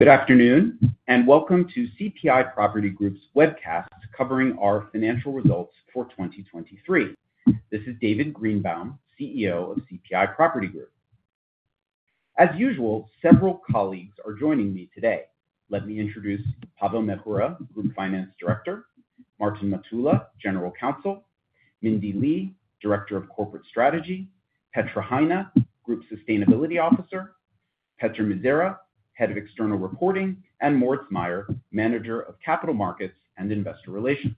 Good afternoon and welcome to CPI Property Group's webcast covering our financial results for 2023. This is David Greenbaum, CEO of CPI Property Group. As usual, several colleagues are joining me today. Let me introduce Pavel Měchura, Group Finance Director, Martin Matula, General Counsel, Mindee Lee, Director of Corporate Strategy, Petra Hajná, Group Sustainability Officer, Petr Mizera, Head of External Reporting, and Moritz Mayer, Manager of Capital Markets and Investor Relations.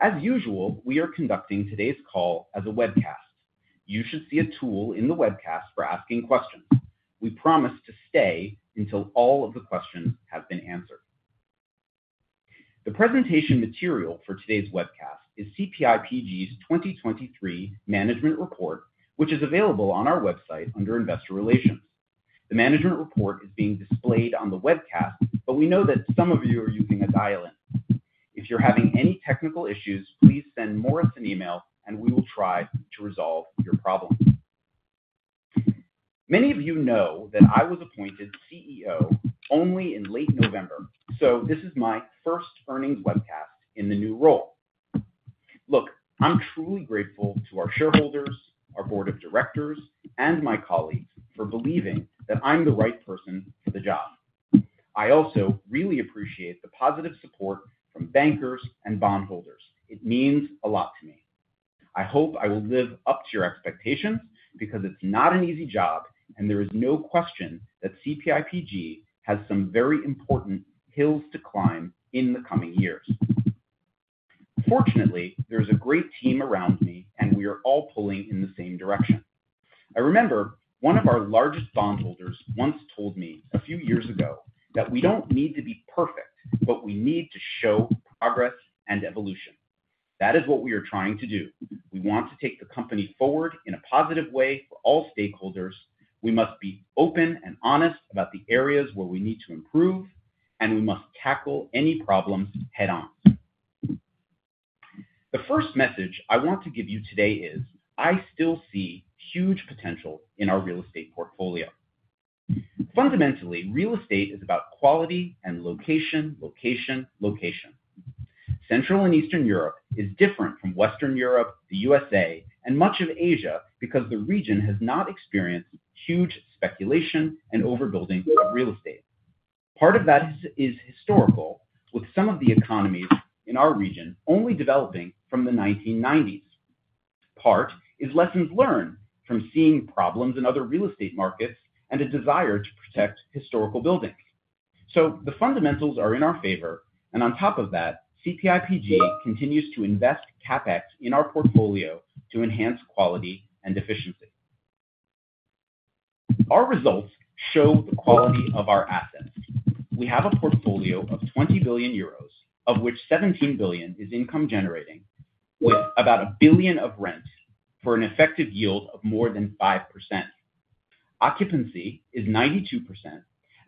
As usual, we are conducting today's call as a webcast. You should see a tool in the webcast for asking questions. We promise to stay until all of the questions have been answered. The presentation material for today's webcast is CPI PG's 2023 Management Report, which is available on our website under Investor Relations. The Management Report is being displayed on the webcast, but we know that some of you are using a dial-in. If you're having any technical issues, please send Moritz an email, and we will try to resolve your problem. Many of you know that I was appointed CEO only in late November, so this is my first earnings webcast in the new role. Look, I'm truly grateful to our shareholders, our board of directors, and my colleagues for believing that I'm the right person for the job. I also really appreciate the positive support from bankers and bondholders. It means a lot to me. I hope I will live up to your expectations because it's not an easy job, and there is no question that CPI PG has some very important hills to climb in the coming years. Fortunately, there is a great team around me, and we are all pulling in the same direction. I remember one of our largest bondholders once told me a few years ago that we don't need to be perfect, but we need to show progress and evolution. That is what we are trying to do. We want to take the company forward in a positive way for all stakeholders. We must be open and honest about the areas where we need to improve, and we must tackle any problems head-on. The first message I want to give you today is I still see huge potential in our real estate portfolio. Fundamentally, real estate is about quality and location, location, location. Central and Eastern Europe is different from Western Europe, the U.S.A., and much of Asia because the region has not experienced huge speculation and overbuilding of real estate. Part of that is historical, with some of the economies in our region only developing from the 1990s. Part is lessons learned from seeing problems in other real estate markets and a desire to protect historical buildings. So the fundamentals are in our favor. And on top of that, CPI PG continues to invest CapEx in our portfolio to enhance quality and efficiency. Our results show the quality of our assets. We have a portfolio of 20 billion euros, of which 17 billion is income-generating, with about 1 billion of rent for an effective yield of more than 5%. Occupancy is 92%.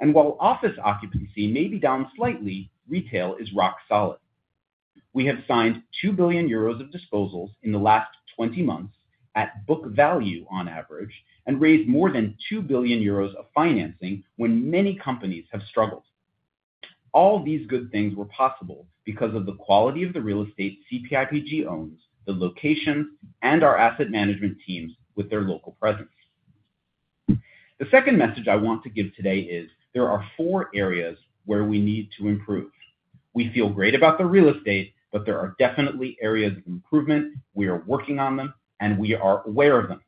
And while office occupancy may be down slightly, retail is rock solid. We have signed 2 billion euros of disposals in the last 20 months at book value on average and raised more than 2 billion euros of financing when many companies have struggled. All these good things were possible because of the quality of the real estate CPI PG owns, the locations, and our asset management teams with their local presence. The second message I want to give today is there are four areas where we need to improve. We feel great about the real estate, but there are definitely areas of improvement. We are working on them, and we are aware of them.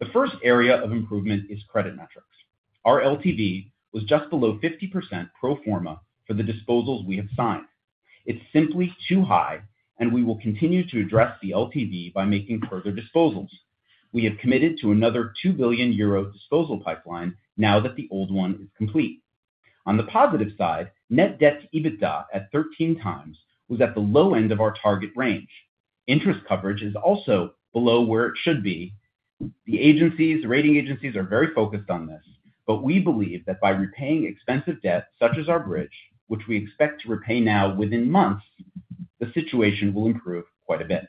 The first area of improvement is credit metrics. Our LTV was just below 50% pro forma for the disposals we have signed. It's simply too high, and we will continue to address the LTV by making further disposals. We have committed to another 2 billion euro disposal pipeline now that the old one is complete. On the positive side, net debt to EBITDA at 13x was at the low end of our target range. Interest coverage is also below where it should be. The agencies, rating agencies, are very focused on this, but we believe that by repaying expensive debt such as our bridge, which we expect to repay now within months, the situation will improve quite a bit.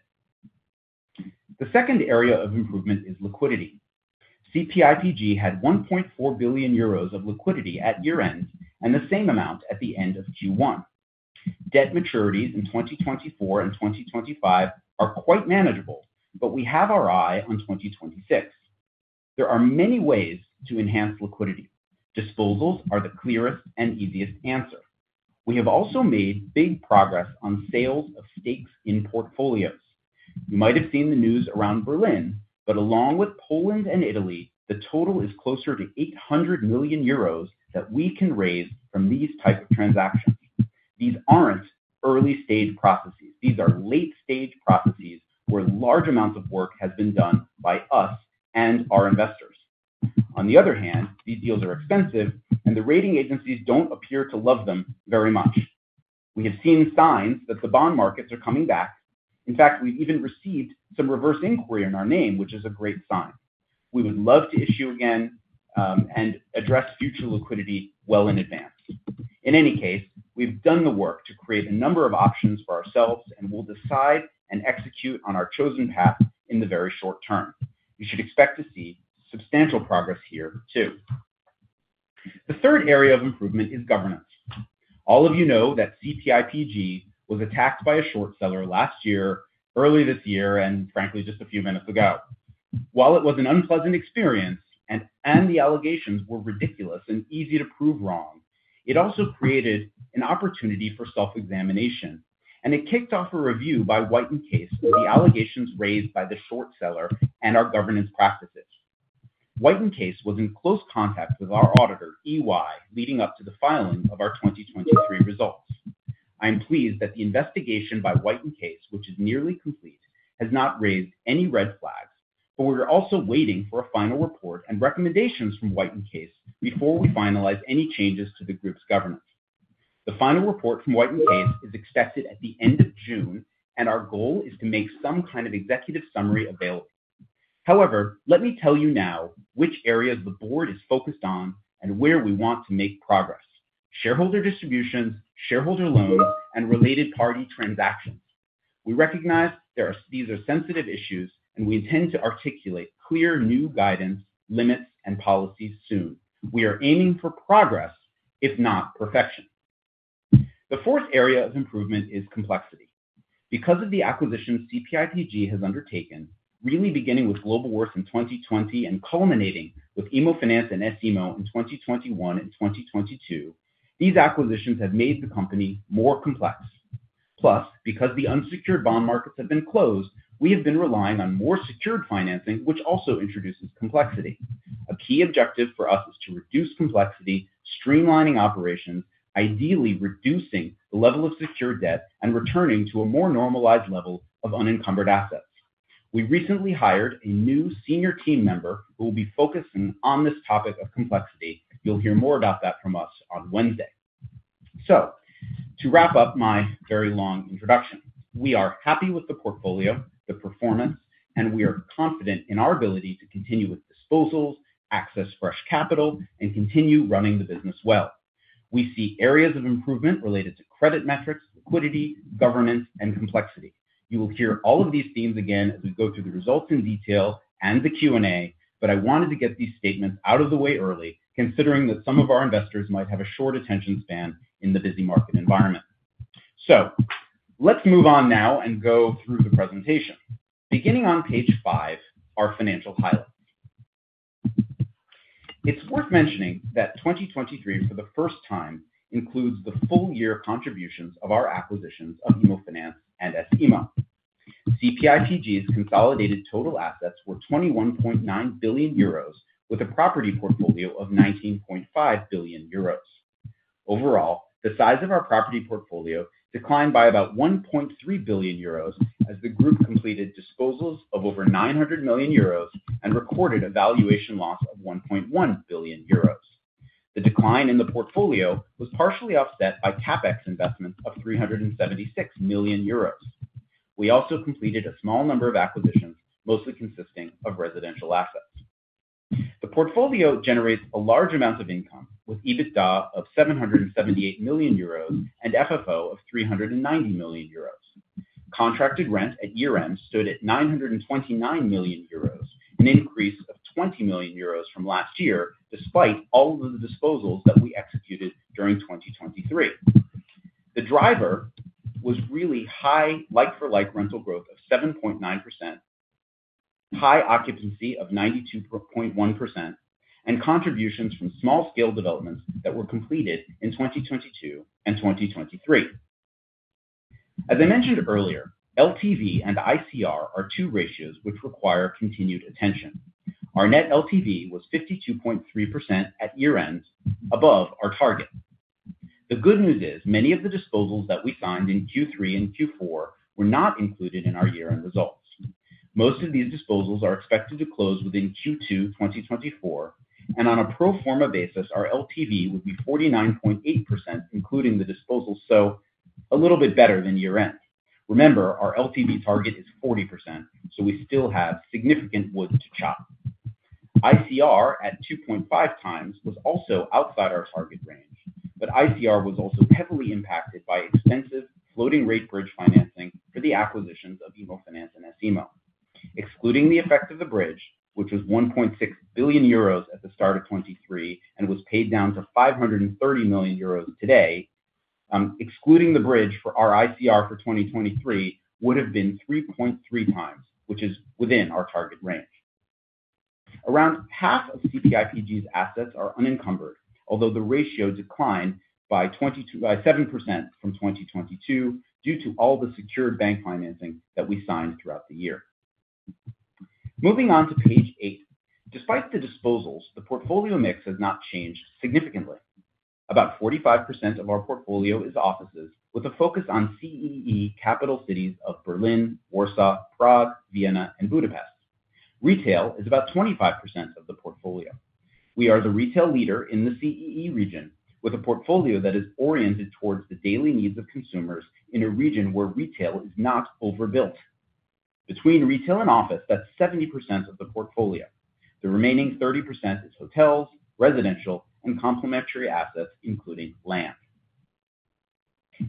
The second area of improvement is liquidity. CPI PG had 1.4 billion euros of liquidity at year-end and the same amount at the end of Q1. Debt maturities in 2024 and 2025 are quite manageable, but we have our eye on 2026. There are many ways to enhance liquidity. Disposals are the clearest and easiest answer. We have also made big progress on sales of stakes in portfolios. You might have seen the news around Berlin, but along with Poland and Italy, the total is closer to 800 million euros that we can raise from these types of transactions. These aren't early-stage processes. These are late-stage processes where large amounts of work have been done by us and our investors. On the other hand, these deals are expensive, and the rating agencies don't appear to love them very much. We have seen signs that the bond markets are coming back. In fact, we've even received some reverse inquiry in our name, which is a great sign. We would love to issue again and address future liquidity well in advance. In any case, we've done the work to create a number of options for ourselves, and we'll decide and execute on our chosen path in the very short term. You should expect to see substantial progress here too. The third area of improvement is governance. All of you know that CPI PG was attacked by a short seller last year, early this year, and frankly, just a few minutes ago. While it was an unpleasant experience and the allegations were ridiculous and easy to prove wrong, it also created an opportunity for self-examination. It kicked off a review by White & Case of the allegations raised by the short seller and our governance practices. White & Case was in close contact with our auditor, EY, leading up to the filing of our 2023 results. I am pleased that the investigation by White & Case, which is nearly complete, has not raised any red flags, but we are also waiting for a final report and recommendations from White & Case before we finalize any changes to the group's governance. The final report from White & Case is expected at the end of June, and our goal is to make some kind of executive summary available. However, let me tell you now which areas the board is focused on and where we want to make progress: shareholder distributions, shareholder loans, and related party transactions. We recognize these are sensitive issues, and we intend to articulate clear new guidance, limits, and policies soon. We are aiming for progress, if not perfection. The fourth area of improvement is complexity. Because of the acquisitions CPI PG has undertaken, really beginning with Globalworth in 2020 and culminating with IMMOFINANZ and S IMMO in 2021 and 2022, these acquisitions have made the company more complex. Plus, because the unsecured bond markets have been closed, we have been relying on more secured financing, which also introduces complexity. A key objective for us is to reduce complexity, streamlining operations, ideally reducing the level of secured debt, and returning to a more normalized level of unencumbered assets. We recently hired a new senior team member who will be focusing on this topic of complexity. You'll hear more about that from us on Wednesday. So to wrap up my very long introduction, we are happy with the portfolio, the performance, and we are confident in our ability to continue with disposals, access fresh capital, and continue running the business well. We see areas of improvement related to credit metrics, liquidity, governance, and complexity. You will hear all of these themes again as we go through the results in detail and the Q&A, but I wanted to get these statements out of the way early, considering that some of our investors might have a short attention span in the busy market environment. So let's move on now and go through the presentation. Beginning on page 5, our financial highlights. It's worth mentioning that 2023, for the first time, includes the full-year contributions of our acquisitions of IMMOFINANZ and S IMMO. CPI PG's consolidated total assets were 21.9 billion euros, with a property portfolio of 19.5 billion euros. Overall, the size of our property portfolio declined by about 1.3 billion euros as the group completed disposals of over 900 million euros and recorded a valuation loss of 1.1 billion euros. The decline in the portfolio was partially offset by CapEx investments of 376 million euros. We also completed a small number of acquisitions, mostly consisting of residential assets. The portfolio generates a large amount of income with EBITDA of 778 million euros and FFO of 390 million euros. Contracted rent at year-end stood at 929 million euros, an increase of 20 million euros from last year despite all of the disposals that we executed during 2023. The driver was really high like-for-like rental growth of 7.9%, high occupancy of 92.1%, and contributions from small-scale developments that were completed in 2022 and 2023. As I mentioned earlier, LTV and ICR are two ratios which require continued attention. Our net LTV was 52.3% at year-end, above our target. The good news is many of the disposals that we signed in Q3 and Q4 were not included in our year-end results. Most of these disposals are expected to close within Q2 2024, and on a pro forma basis, our LTV would be 49.8%, including the disposals, so a little bit better than year-end. Remember, our LTV target is 40%, so we still have significant wood to chop. ICR at 2.5 times was also outside our target range, but ICR was also heavily impacted by expensive floating-rate bridge financing for the acquisitions of IMMOFINANZ and S IMMO. Excluding the effect of the bridge, which was 1.6 billion euros at the start of 2023 and was paid down to 530 million euros today, excluding the bridge for our ICR for 2023 would have been 3.3 times, which is within our target range. Around half of CPI PG's assets are unencumbered, although the ratio declined by 7% from 2022 due to all the secured bank financing that we signed throughout the year. Moving on to page 8, despite the disposals, the portfolio mix has not changed significantly. About 45% of our portfolio is offices, with a focus on CEE capital cities of Berlin, Warsaw, Prague, Vienna, and Budapest. Retail is about 25% of the portfolio. We are the retail leader in the CEE region, with a portfolio that is oriented towards the daily needs of consumers in a region where retail is not overbuilt. Between retail and office, that's 70% of the portfolio. The remaining 30% is hotels, residential, and complementary assets, including land.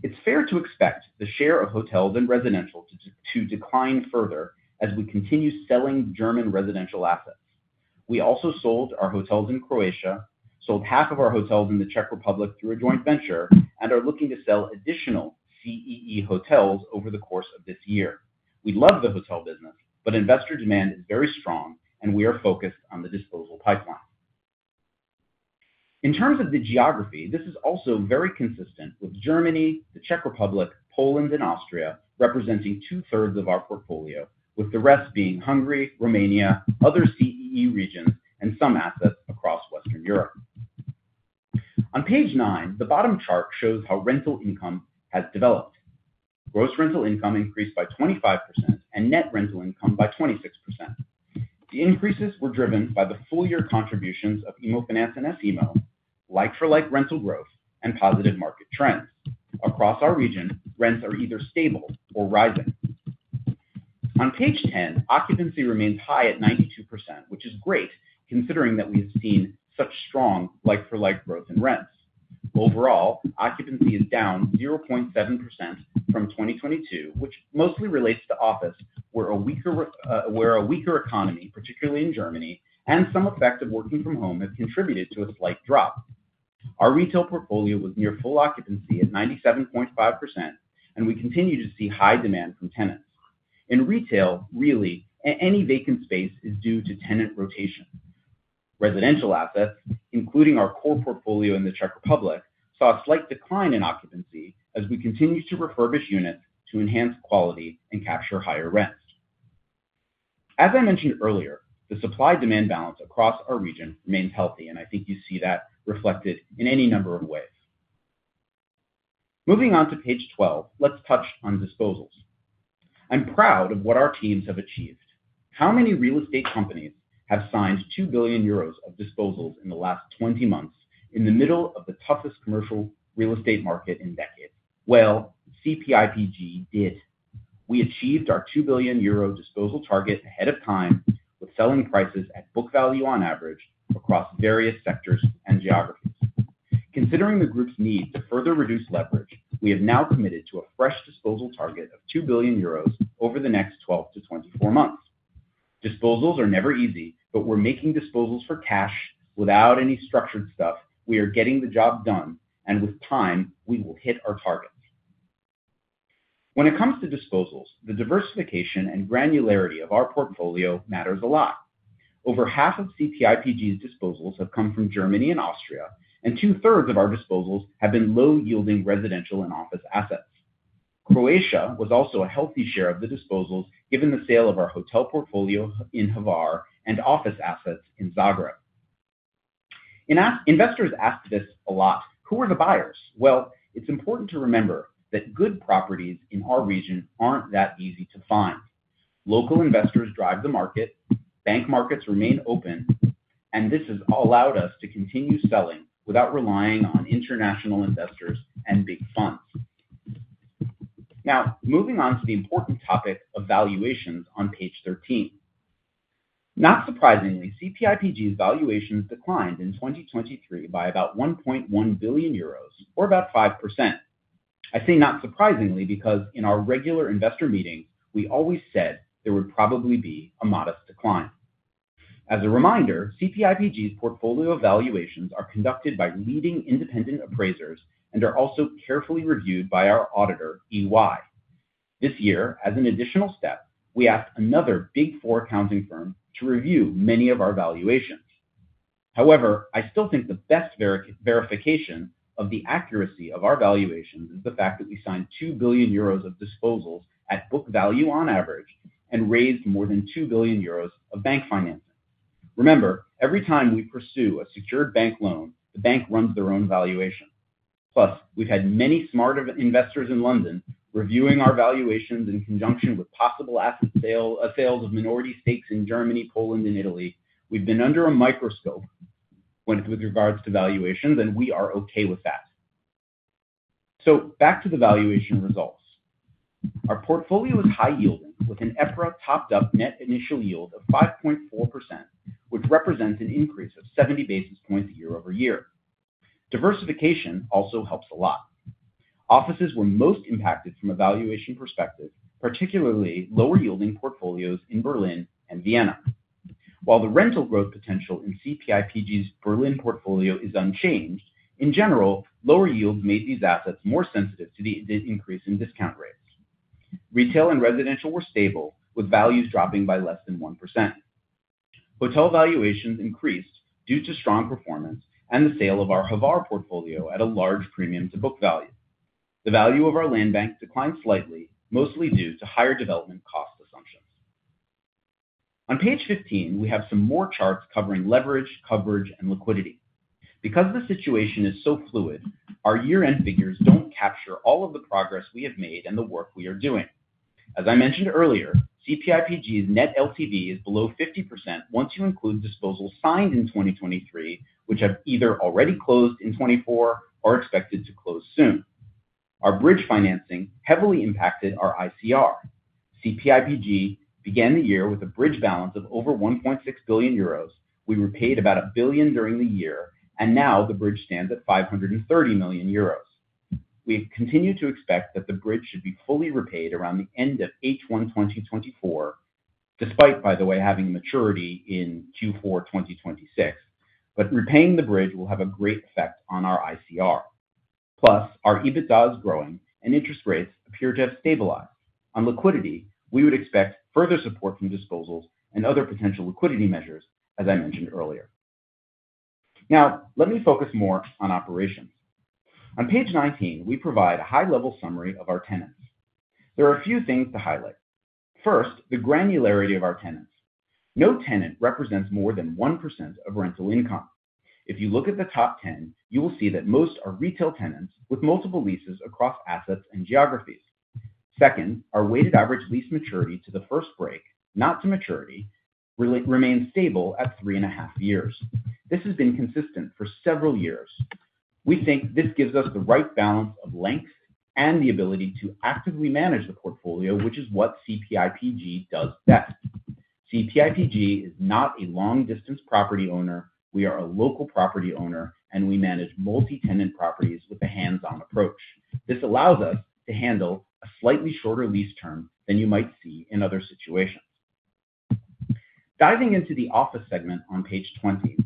It's fair to expect the share of hotels and residential to decline further as we continue selling German residential assets. We also sold our hotels in Croatia, sold half of our hotels in the Czech Republic through a joint venture, and are looking to sell additional CEE hotels over the course of this year. We love the hotel business, but investor demand is very strong, and we are focused on the disposal pipeline. In terms of the geography, this is also very consistent with Germany, the Czech Republic, Poland, and Austria, representing two-thirds of our portfolio, with the rest being Hungary, Romania, other CEE regions, and some assets across Western Europe. On page 9, the bottom chart shows how rental income has developed. Gross rental income increased by 25% and net rental income by 26%. The increases were driven by the full-year contributions of IMMOFINANZ and S IMMO, like-for-like rental growth, and positive market trends. Across our region, rents are either stable or rising. On page 10, occupancy remains high at 92%, which is great considering that we have seen such strong like-for-like growth in rents. Overall, occupancy is down 0.7% from 2022, which mostly relates to office, where a weaker economy, particularly in Germany, and some effect of working from home have contributed to a slight drop. Our retail portfolio was near full occupancy at 97.5%, and we continue to see high demand from tenants. In retail, really, any vacant space is due to tenant rotation. Residential assets, including our core portfolio in the Czech Republic, saw a slight decline in occupancy as we continue to refurbish units to enhance quality and capture higher rents. As I mentioned earlier, the supply-demand balance across our region remains healthy, and I think you see that reflected in any number of ways. Moving on to page 12, let's touch on disposals. I'm proud of what our teams have achieved. How many real estate companies have signed 2 billion euros of disposals in the last 20 months in the middle of the toughest commercial real estate market in decades? Well, CPI PG did. We achieved our 2 billion euro disposal target ahead of time with selling prices at book value on average across various sectors and geographies. Considering the group's need to further reduce leverage, we have now committed to a fresh disposal target of 2 billion euros over the next 12 to 24 months. Disposals are never easy, but we're making disposals for cash without any structured stuff. We are getting the job done, and with time, we will hit our targets. When it comes to disposals, the diversification and granularity of our portfolio matters a lot. Over half of CPI PG's disposals have come from Germany and Austria, and two-thirds of our disposals have been low-yielding residential and office assets. Croatia was also a healthy share of the disposals given the sale of our hotel portfolio in Hvar and office assets in Zagreb. Investors ask this a lot: who are the buyers? Well, it's important to remember that good properties in our region aren't that easy to find. Local investors drive the market, bank markets remain open, and this has allowed us to continue selling without relying on international investors and big funds. Now, moving on to the important topic of valuations on page 13. Not surprisingly, CPI PG's valuations declined in 2023 by about 1.1 billion euros, or about 5%. I say not surprisingly because in our regular investor meetings, we always said there would probably be a modest decline. As a reminder, CPI PG's portfolio valuations are conducted by leading independent appraisers and are also carefully reviewed by our auditor, EY. This year, as an additional step, we asked another Big Four accounting firm to review many of our valuations. However, I still think the best verification of the accuracy of our valuations is the fact that we signed 2 billion euros of disposals at book value on average and raised more than 2 billion euros of bank financing. Remember, every time we pursue a secured bank loan, the bank runs their own valuation. Plus, we've had many smart investors in London reviewing our valuations in conjunction with possible asset sales of minority stakes in Germany, Poland, and Italy. We've been under a microscope with regards to valuations, and we are okay with that. So back to the valuation results. Our portfolio is high-yielding, with an EPRA Topped-Up Net Initial Yield of 5.4%, which represents an increase of 70 basis points year-over-year. Diversification also helps a lot. Offices were most impacted from a valuation perspective, particularly lower-yielding portfolios in Berlin and Vienna. While the rental growth potential in CPI PG's Berlin portfolio is unchanged, in general, lower yields made these assets more sensitive to the increase in discount rates. Retail and residential were stable, with values dropping by less than 1%. Hotel valuations increased due to strong performance and the sale of our Hvar portfolio at a large premium to book value. The value of our land bank declined slightly, mostly due to higher development cost assumptions. On page 15, we have some more charts covering leverage, coverage, and liquidity. Because the situation is so fluid, our year-end figures don't capture all of the progress we have made and the work we are doing. As I mentioned earlier, CPI PG's net LTV is below 50% once you include disposals signed in 2023, which have either already closed in 2024 or are expected to close soon. Our bridge financing heavily impacted our ICR. CPI PG began the year with a bridge balance of over 1.6 billion euros. We repaid about 1 billion during the year, and now the bridge stands at 530 million euros. We continue to expect that the bridge should be fully repaid around the end of H1 2024, despite, by the way, having maturity in Q4 2026. Repaying the bridge will have a great effect on our ICR. Plus, our EBITDA is growing, and interest rates appear to have stabilized. On liquidity, we would expect further support from disposals and other potential liquidity measures, as I mentioned earlier. Now, let me focus more on operations. On page 19, we provide a high-level summary of our tenants. There are a few things to highlight. First, the granularity of our tenants. No tenant represents more than 1% of rental income. If you look at the top 10, you will see that most are retail tenants with multiple leases across assets and geographies. Second, our weighted average lease maturity to the first break, not to maturity, remains stable at 3.5 years. This has been consistent for several years. We think this gives us the right balance of length and the ability to actively manage the portfolio, which is what CPI PG does best. CPI PG is not a long-distance property owner. We are a local property owner, and we manage multi-tenant properties with a hands-on approach. This allows us to handle a slightly shorter lease term than you might see in other situations. Diving into the office segment on page 20,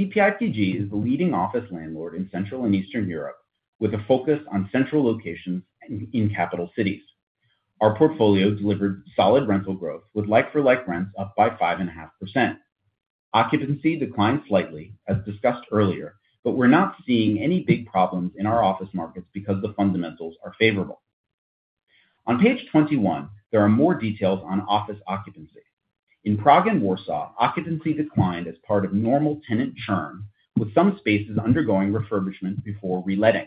CPI PG is the leading office landlord in Central and Eastern Europe, with a focus on central locations in capital cities. Our portfolio delivered solid rental growth with like-for-like rents up by 5.5%. Occupancy declined slightly, as discussed earlier, but we're not seeing any big problems in our office markets because the fundamentals are favorable. On page 21, there are more details on office occupancy. In Prague and Warsaw, occupancy declined as part of normal tenant churn, with some spaces undergoing refurbishment before reletting.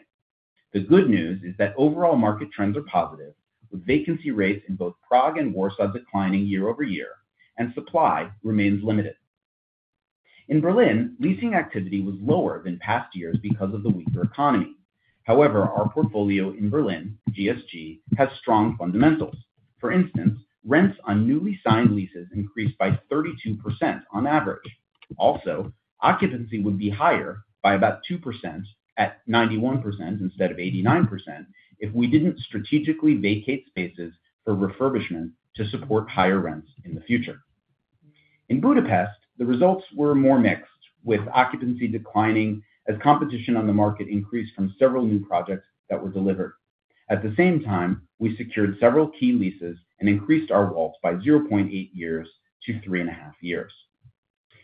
The good news is that overall market trends are positive, with vacancy rates in both Prague and Warsaw declining year-over-year and supply remains limited. In Berlin, leasing activity was lower than past years because of the weaker economy. However, our portfolio in Berlin, GSG, has strong fundamentals. For instance, rents on newly signed leases increased by 32% on average. Also, occupancy would be higher by about 2% at 91% instead of 89% if we didn't strategically vacate spaces for refurbishment to support higher rents in the future. In Budapest, the results were more mixed, with occupancy declining as competition on the market increased from several new projects that were delivered. At the same time, we secured several key leases and increased our WALT by 0.8 years to 3.5 years.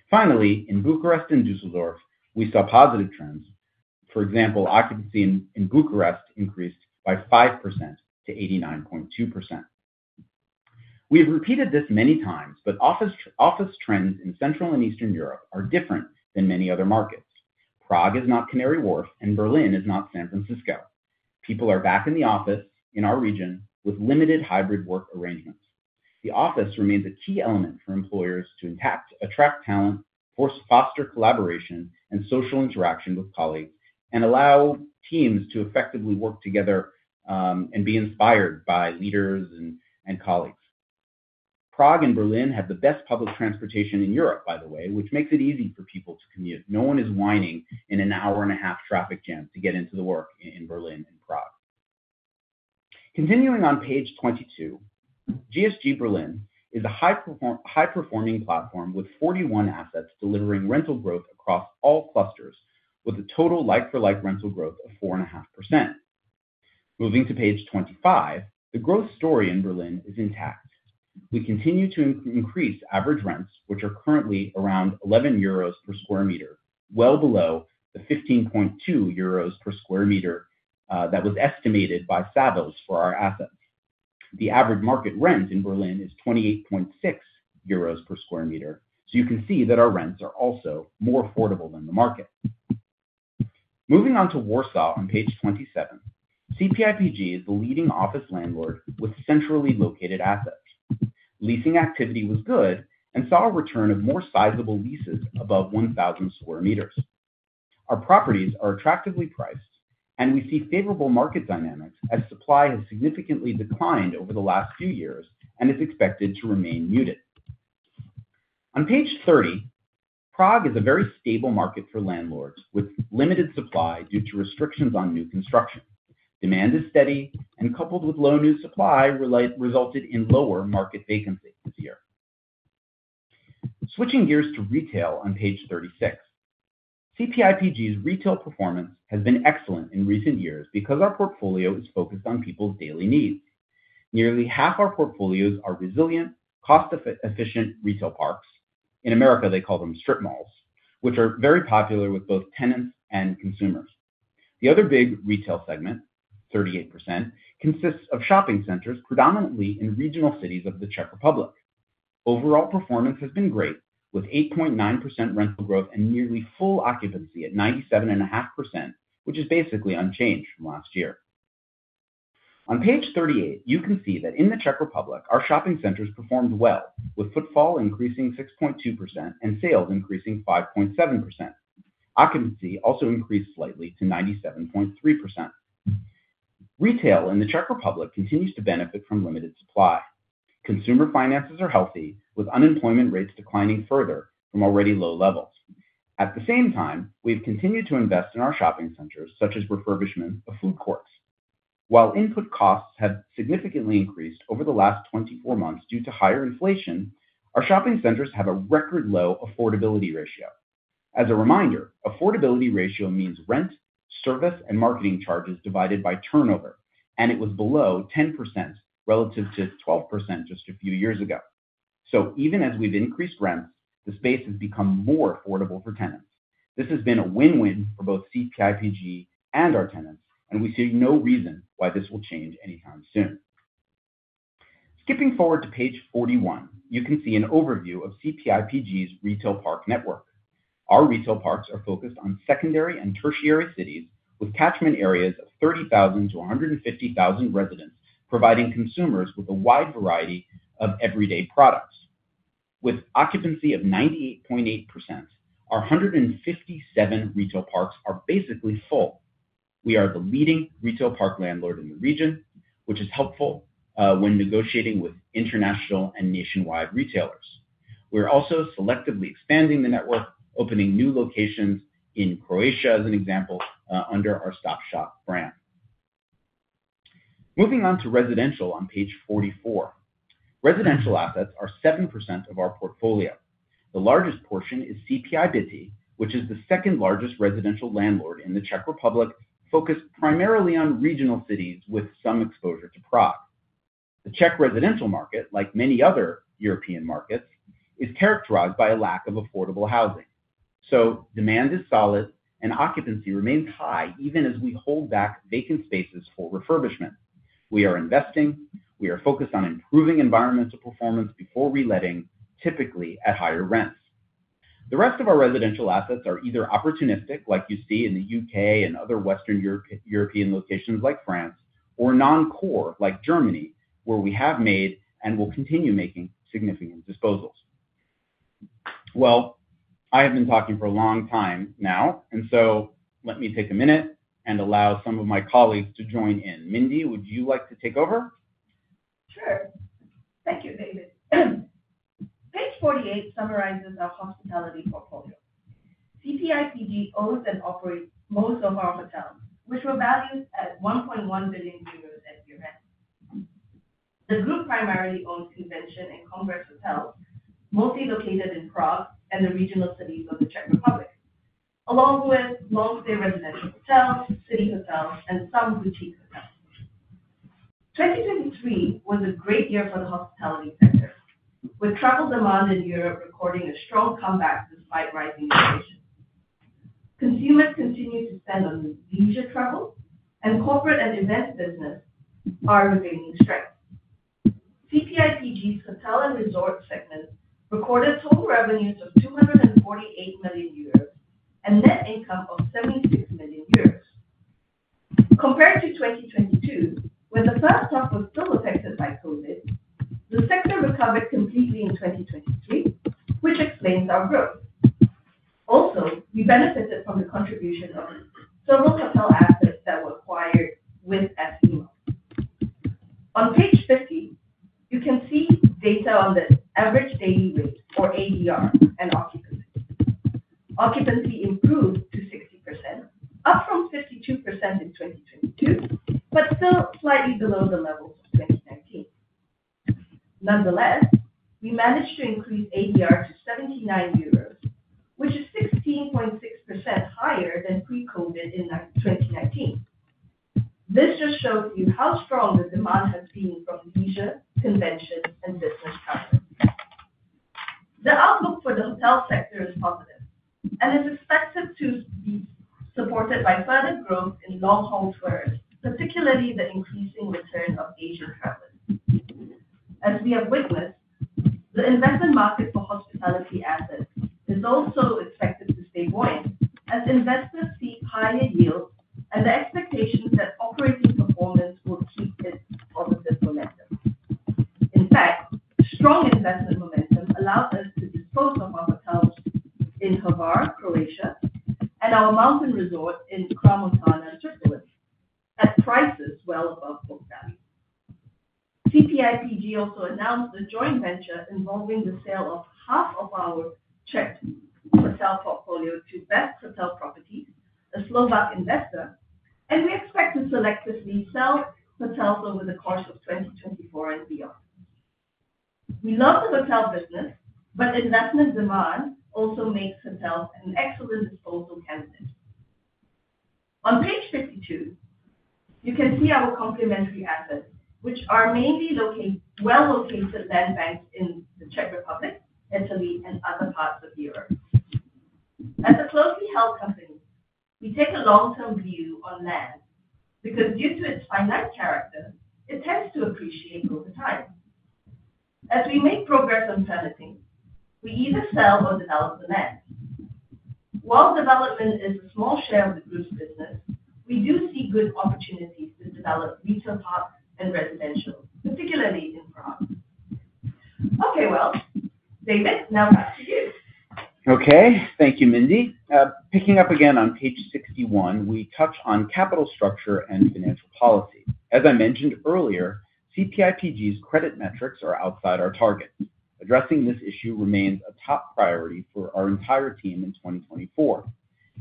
Finally, in Bucharest and Düsseldorf, we saw positive trends. For example, occupancy in Bucharest increased by 5% to 89.2%. We have repeated this many times, but office trends in Central and Eastern Europe are different than many other markets. Prague is not Canary Wharf, and Berlin is not San Francisco. People are back in the office in our region with limited hybrid work arrangements. The office remains a key element for employers to attract talent, foster collaboration, and social interaction with colleagues, and allow teams to effectively work together and be inspired by leaders and colleagues. Prague and Berlin have the best public transportation in Europe, by the way, which makes it easy for people to commute. No one is whining in a 1.5-hour traffic jam to get into the work in Berlin and Prague. Continuing on page 22, GSG Berlin is a high-performing platform with 41 assets delivering rental growth across all clusters, with a total like-for-like rental growth of 4.5%. Moving to page 25, the growth story in Berlin is intact. We continue to increase average rents, which are currently around 11 euros per sq m, well below the 15.2 euros per sq m that was estimated by Savills for our assets. The average market rent in Berlin is 28.6 euros per sq m. So you can see that our rents are also more affordable than the market. Moving on to Warsaw on page 27, CPI PG is the leading office landlord with centrally located assets. Leasing activity was good and saw a return of more sizable leases above 1,000 square meters. Our properties are attractively priced, and we see favorable market dynamics as supply has significantly declined over the last few years and is expected to remain muted. On page 30, Prague is a very stable market for landlords with limited supply due to restrictions on new construction. Demand is steady, and, coupled with low new supply, resulted in lower market vacancy this year. Switching gears to retail on page 36, CPI PG's retail performance has been excellent in recent years because our portfolio is focused on people's daily needs. Nearly half our portfolios are resilient, cost-efficient retail parks. In America, they call them strip malls, which are very popular with both tenants and consumers. The other big retail segment, 38%, consists of shopping centers, predominantly in regional cities of the Czech Republic. Overall performance has been great, with 8.9% rental growth and nearly full occupancy at 97.5%, which is basically unchanged from last year. On page 38, you can see that in the Czech Republic, our shopping centers performed well, with footfall increasing 6.2% and sales increasing 5.7%. Occupancy also increased slightly to 97.3%. Retail in the Czech Republic continues to benefit from limited supply. Consumer finances are healthy, with unemployment rates declining further from already low levels. At the same time, we have continued to invest in our shopping centers, such as refurbishment of food courts. While input costs have significantly increased over the last 24 months due to higher inflation, our shopping centers have a record low affordability ratio. As a reminder, affordability ratio means rent, service, and marketing charges divided by turnover, and it was below 10% relative to 12% just a few years ago. So even as we've increased rents, the space has become more affordable for tenants. This has been a win-win for both CPI PG and our tenants, and we see no reason why this will change anytime soon. Skipping forward to page 41, you can see an overview of CPI PG's retail park network. Our retail parks are focused on secondary and tertiary cities, with catchment areas of 30,000-150,000 residents providing consumers with a wide variety of everyday products. With occupancy of 98.8%, our 157 retail parks are basically full. We are the leading retail park landlord in the region, which is helpful when negotiating with international and nationwide retailers. We're also selectively expanding the network, opening new locations in Croatia, as an example, under our Stop Shop brand. Moving on to residential on page 44, residential assets are 7% of our portfolio. The largest portion is CPI BYTY, which is the second-largest residential landlord in the Czech Republic, focused primarily on regional cities with some exposure to Prague. The Czech residential market, like many other European markets, is characterized by a lack of affordable housing. So demand is solid, and occupancy remains high even as we hold back vacant spaces for refurbishment. We are investing. We are focused on improving environmental performance before reletting, typically at higher rents. The rest of our residential assets are either opportunistic, like you see in the UK and other Western European locations like France, or non-core, like Germany, where we have made and will continue making significant disposals. Well, I have been talking for a long time now, and so let me take a minute and allow some of my colleagues to join in. Mindee, would you like to take over? Sure. Thank you, David. Page 48 summarizes our hospitality portfolio. CPI PG owns and operates most of our hotels, which were valued at 1.1 billion euros at year-end. The group primarily owns convention and congress hotels, mostly located in Prague and the regional cities of the Czech Republic, along with long-stay residential hotels, city hotels, and some boutique hotels. 2023 was a great year for the hospitality sector, with travel demand in Europe recording a strong comeback despite rising inflation. Consumers continue to spend on leisure travel, and corporate and event business are regaining strength. CPI PG's hotel and resort segment recorded total revenues of 248 million euros and net income of 76 million euros. Compared to 2022, when the sector was still affected by COVID, the sector recovered completely in 2023, which explains our growth. Also, we benefited from the contribution of several hotel assets that were acquired with S IMMO. On page 50, you can see data on the average daily rate, or ADR, and occupancy. Occupancy improved to 60%, up from 52% in 2022, but still slightly below the levels of 2019. Nonetheless, we managed to increase ADR to 79 euros, which is 16.6% higher than pre-COVID in 2019. This just shows you how strong the demand has been from leisure, convention, and business travelers. The outlook for the hotel sector is positive and is expected to be supported by further growth in long-haul tourists, particularly the increasing return of Asian travelers. As we have witnessed, the investment market for hospitality assets is also expected to stay buoyant as investors seek higher yields and the expectations that operating performance will keep it positive momentum. In fact, strong investment momentum allowed us to dispose of our hotels in Hvar, Croatia, and our mountain resort in Crans-Montona and Tripoli at prices well above book value. CPI PG also announced a joint venture involving the sale of half of our Czech hotel portfolio to Best Hotel Properties, a Slovak investor, and we expect to selectively sell hotels over the course of 2024 and beyond. We love the hotel business, but investment demand also makes hotels an excellent disposal candidate. On page 52, you can see our complementary assets, which are mainly well-located land banks in the Czech Republic, Italy, and other parts of Europe. As a closely held company, we take a long-term view on land because, due to its finite character, it tends to appreciate over time. As we make progress on permitting, we either sell or develop the land. While development is a small share of the group's business, we do see good opportunities to develop retail parks and residential, particularly in Prague. Okay, well, David, now back to you. Okay. Thank you, Mindee. Picking up again on page 61, we touch on capital structure and financial policy. As I mentioned earlier, CPI PG's credit metrics are outside our targets. Addressing this issue remains a top priority for our entire team in 2024.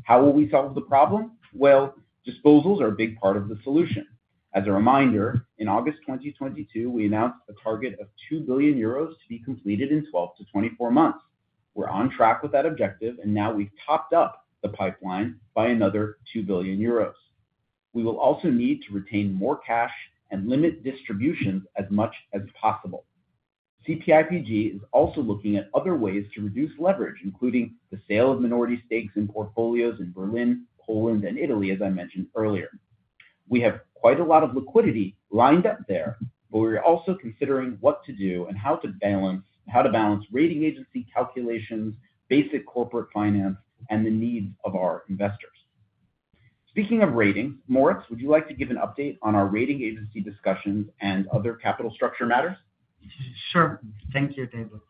How will we solve the problem? Well, disposals are a big part of the solution. As a reminder, in August 2022, we announced a target of 2 billion euros to be completed in 12-24 months. We're on track with that objective, and now we've topped up the pipeline by another 2 billion euros. We will also need to retain more cash and limit distributions as much as possible. CPI PG is also looking at other ways to reduce leverage, including the sale of minority stakes in portfolios in Berlin, Poland, and Italy, as I mentioned earlier. We have quite a lot of liquidity lined up there, but we're also considering what to do and how to balance rating agency calculations, basic corporate finance, and the needs of our investors. Speaking of ratings, Moritz, would you like to give an update on our rating agency discussions and other capital structure matters? Sure. Thank you, David.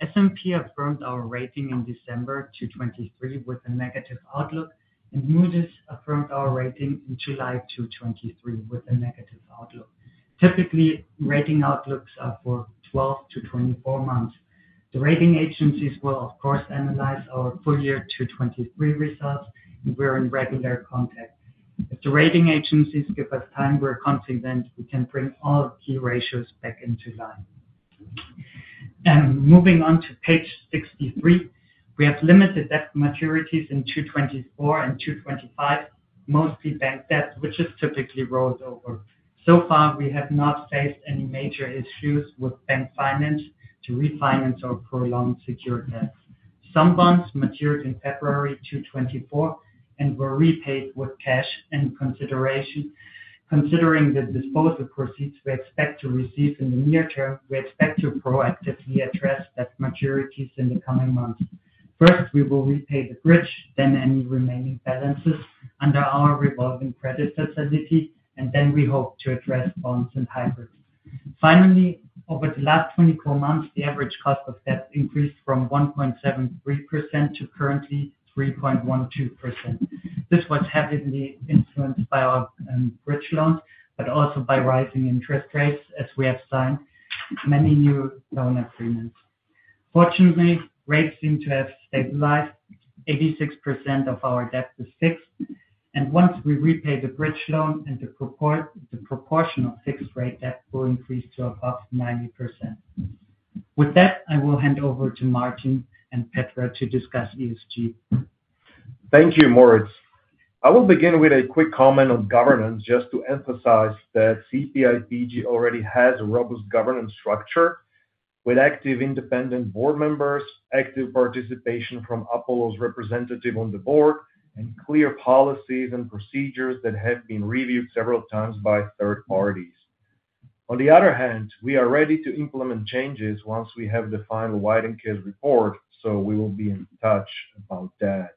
S&P affirmed our rating in December 2023 with a negative outlook, and Moody's affirmed our rating in July 2023 with a negative outlook. Typically, rating outlooks are for 12-24 months. The rating agencies will, of course, analyze our full year 2023 results, and we're in regular contact. If the rating agencies give us time, we're confident we can bring all key ratios back into line. Moving on to page 63, we have limited debt maturities in 2024 and 2025, mostly bank debt, which is typically rolled over. So far, we have not faced any major issues with bank finance to refinance our prolonged secured debts. Some bonds matured in February 2024 and were repaid with cash. Considering the disposal proceeds we expect to receive in the near term, we expect to proactively address debt maturities in the coming months. First, we will repay the bridge, then any remaining balances under our revolving credit facility, and then we hope to address bonds and hybrids. Finally, over the last 24 months, the average cost of debt increased from 1.73% to currently 3.12%. This was heavily influenced by our bridge loans, but also by rising interest rates as we have signed many new loan agreements. Fortunately, rates seem to have stabilized. 86% of our debt is fixed, and once we repay the bridge loan, the proportion of fixed-rate debt will increase to above 90%. With that, I will hand over to Martin and Petra to discuss ESG. Thank you, Moritz. I will begin with a quick comment on governance just to emphasize that CPI PG already has a robust governance structure with active independent board members, active participation from Apollo's representative on the board, and clear policies and procedures that have been reviewed several times by third parties. On the other hand, we are ready to implement changes once we have the final White & Case report, so we will be in touch about that.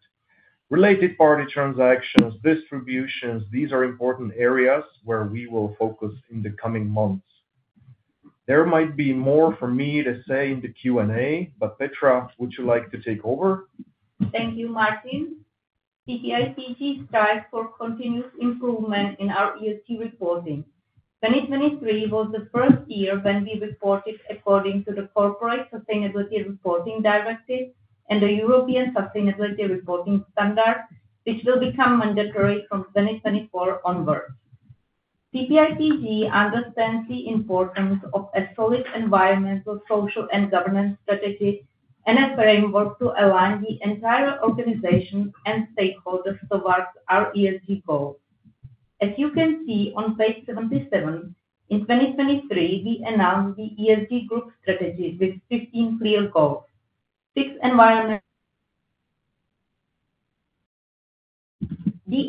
Related party transactions, distributions, these are important areas where we will focus in the coming months. There might be more for me to say in the Q&A, but Petra, would you like to take over? Thank you, Martin. CPI PG strives for continuous improvement in our ESG reporting. 2023 was the first year when we reported according to the Corporate Sustainability Reporting Directive and the European Sustainability Reporting Standards, which will become mandatory from 2024 onwards. CPI PG understands the importance of a solid environmental, social, and governance strategy and a framework to align the entire organization and stakeholders towards our ESG goals. As you can see on page 77, in 2023, we announced the ESG group strategy with 15 clear goals. The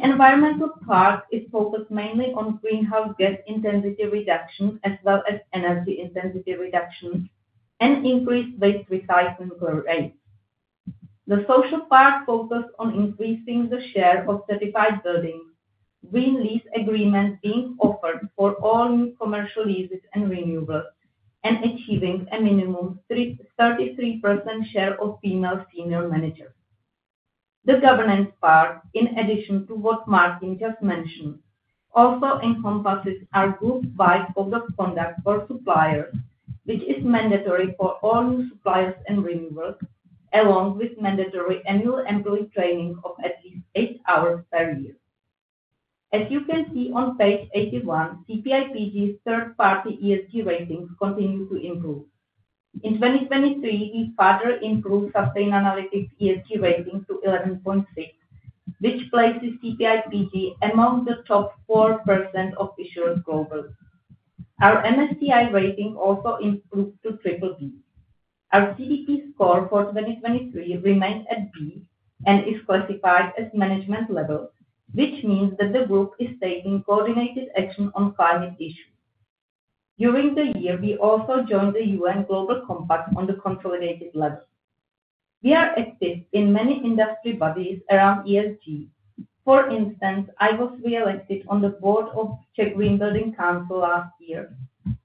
environmental part is focused mainly on greenhouse gas intensity reduction as well as energy intensity reduction and increased waste recycling rates. The social part focuses on increasing the share of certified buildings, green lease agreements being offered for all new commercial leases and renewals, and achieving a minimum 33% share of female senior managers. The governance part, in addition to what Martin just mentioned, also encompasses our group-wide code of conduct for suppliers, which is mandatory for all new suppliers and renewals, along with mandatory annual employee training of at least eight hours per year. As you can see on page 81, CPI PG's third-party ESG ratings continue to improve. In 2023, we further improved Sustainalytics ESG rating to 11.6, which places CPI PG among the top 4% of issuers globally. Our MSCI rating also improved to BBB. Our CDP score for 2023 remained at B and is classified as management level, which means that the group is taking coordinated action on climate issues. During the year, we also joined the UN Global Compact on the consolidated level. We are active in many industry bodies around ESG. For instance, I was re-elected on the board of Czech Green Building Council last year.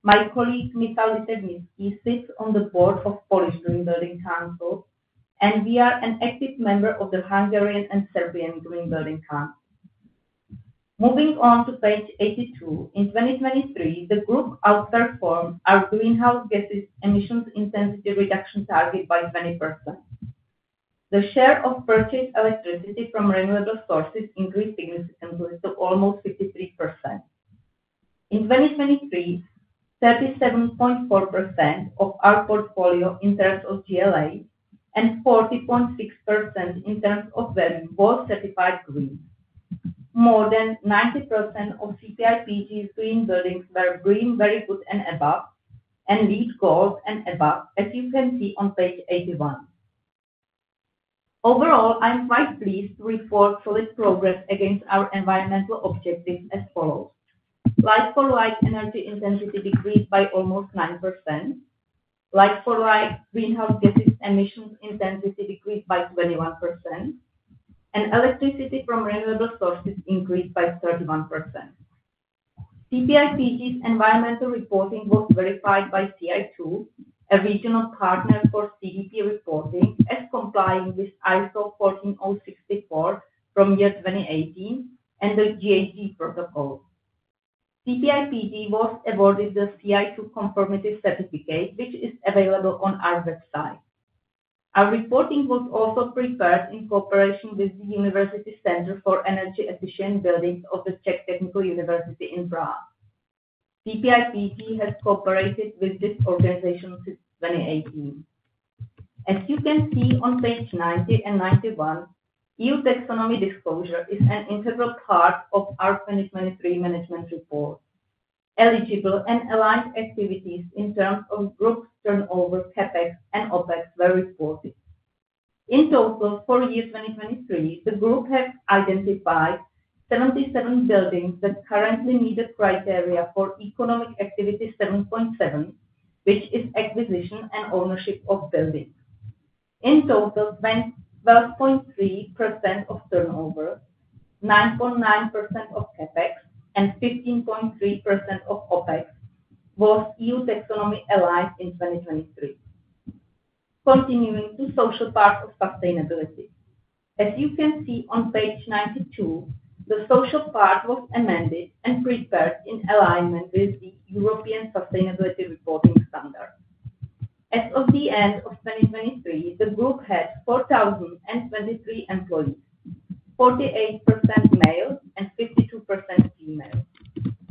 My colleague Michal Sedláček sits on the board of Polish Green Building Council, and we are an active member of the Hungarian and Serbian Green Building Council. Moving on to page 82, in 2023, the group outperformed our greenhouse gas emissions intensity reduction target by 20%. The share of purchased electricity from renewable sources increased significantly to almost 53%. In 2023, 37.4% of our portfolio in terms of GLA and 40.6% in terms of value were certified green. More than 90% of CPI PG's green buildings were BREEAM Very Good and above and LEED Gold and above, as you can see on page 81. Overall, I'm quite pleased to report solid progress against our environmental objectives as follows: like-for-like energy intensity decreased by almost 9%, like-for-like greenhouse gas emissions intensity decreased by 21%, and electricity from renewable sources increased by 31%. CPI PG's environmental reporting was verified by CI2, a regional partner for CDP reporting, as complying with ISO 14064 from year 2018 and the GHG Protocol. CPI PG was awarded the CI2 Conformity Certificate, which is available on our website. Our reporting was also prepared in cooperation with the University Center for Energy Efficient Buildings of the Czech Technical University in Prague. CPI PG has cooperated with this organization since 2018. As you can see on page 90 and 91, EU Taxonomy Disclosure is an integral part of our 2023 management report. Eligible and aligned activities in terms of group turnover, CapEx, and OpEx were reported. In total, for year 2023, the group has identified 77 buildings that currently meet the criteria for economic activity 7.7, which is acquisition and ownership of buildings. In total, 12.3% of turnover, 9.9% of CapEx, and 15.3% of OpEx was EU Taxonomy aligned in 2023. Continuing to the social part of sustainability. As you can see on page 92, the social part was amended and prepared in alignment with the European Sustainability Reporting Standards. As of the end of 2023, the group had 4,023 employees, 48% male and 52% female.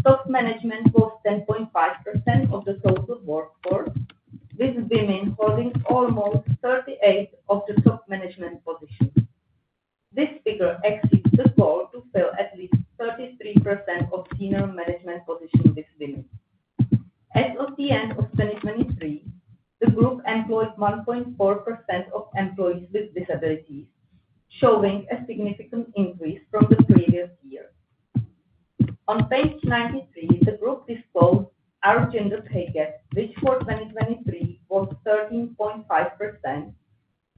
Top management was 10.5% of the total workforce, with women holding almost 38% of the top management positions. This figure exceeds the goal to fill at least 33% of senior management positions with women. As of the end of 2023, the group employed 1.4% of employees with disabilities, showing a significant increase from the previous year. On page 93, the group disclosed our gender pay gap, which for 2023 was 13.5%,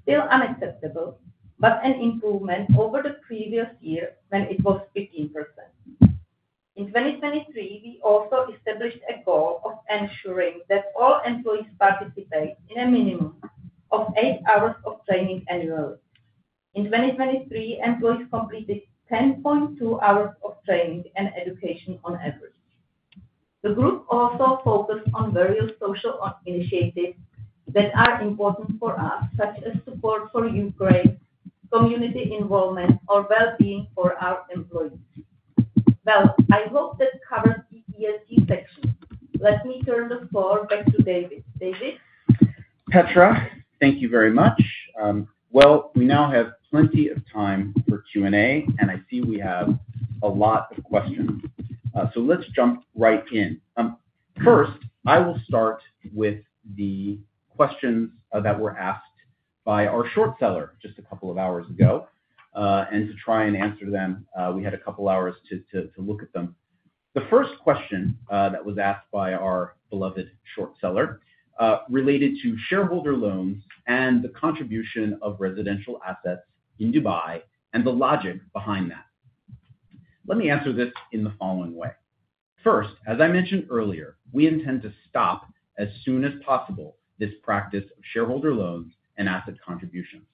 still unacceptable, but an improvement over the previous year when it was 15%. In 2023, we also established a goal of ensuring that all employees participate in a minimum of eight hours of training annually. In 2023, employees completed 10.2 hours of training and education on average. The group also focused on various social initiatives that are important for us, such as support for Ukraine, community involvement, or well-being for our employees. Well, I hope that covers the ESG section. Let me turn the floor back to David. David? Petra, thank you very much. Well, we now have plenty of time for Q&A, and I see we have a lot of questions. So let's jump right in. First, I will start with the questions that were asked by our short seller just a couple of hours ago, and to try and answer them, we had a couple of hours to look at them. The first question that was asked by our beloved short seller related to shareholder loans and the contribution of residential assets in Dubai and the logic behind that. Let me answer this in the following way. First, as I mentioned earlier, we intend to stop as soon as possible this practice of shareholder loans and asset contributions.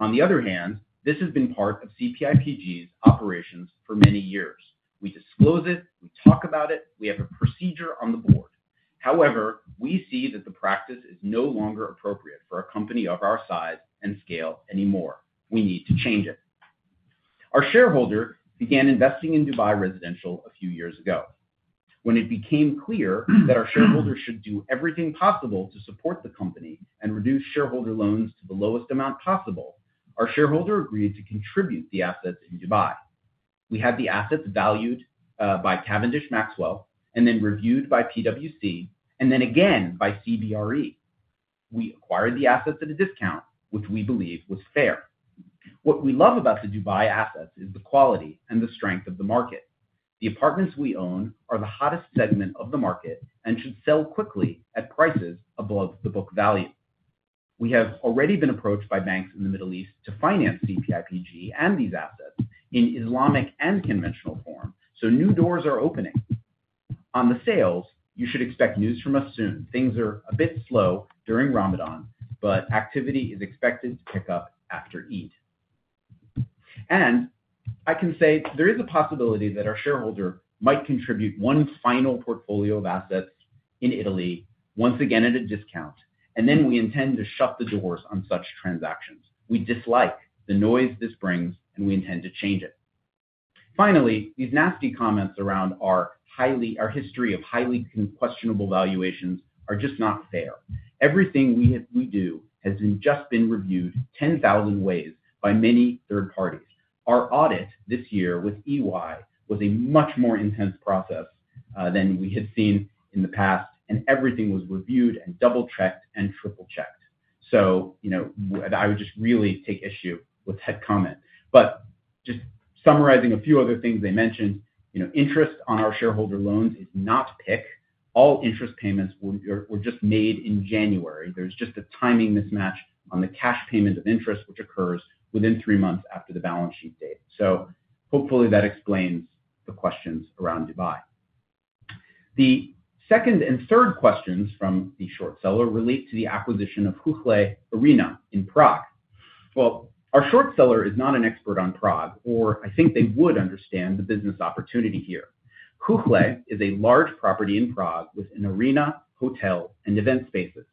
On the other hand, this has been part of CPI PG's operations for many years. We disclose it, we talk about it, we have a procedure on the board. However, we see that the practice is no longer appropriate for a company of our size and scale anymore. We need to change it. Our shareholder began investing in Dubai residential a few years ago. When it became clear that our shareholder should do everything possible to support the company and reduce shareholder loans to the lowest amount possible, our shareholder agreed to contribute the assets in Dubai. We had the assets valued by Cavendish Maxwell and then reviewed by PwC and then again by CBRE. We acquired the assets at a discount, which we believe was fair. What we love about the Dubai assets is the quality and the strength of the market. The apartments we own are the hottest segment of the market and should sell quickly at prices above the book value. We have already been approached by banks in the Middle East to finance CPI PG and these assets in Islamic and conventional form, so new doors are opening. On the sales, you should expect news from us soon. Things are a bit slow during Ramadan, but activity is expected to pick up after Eid. I can say there is a possibility that our shareholder might contribute one final portfolio of assets in Italy, once again at a discount, and then we intend to shut the doors on such transactions. We dislike the noise this brings, and we intend to change it. Finally, these nasty comments around our history of highly questionable valuations are just not fair. Everything we do has just been reviewed 10,000 ways by many third parties. Our audit this year with EY was a much more intense process than we had seen in the past, and everything was reviewed and double-checked and triple-checked. So I would just really take issue with that comment. But just summarizing a few other things they mentioned, interest on our shareholder loans is not picked. All interest payments were just made in January. There's just a timing mismatch on the cash payment of interest, which occurs within three months after the balance sheet date. So hopefully, that explains the questions around Dubai. The second and third questions from the short seller relate to the acquisition of Chuchle Arena in Prague. Well, our short seller is not an expert on Prague, or I think they would understand the business opportunity here. Chuchle is a large property in Prague with an arena, hotel, and event spaces.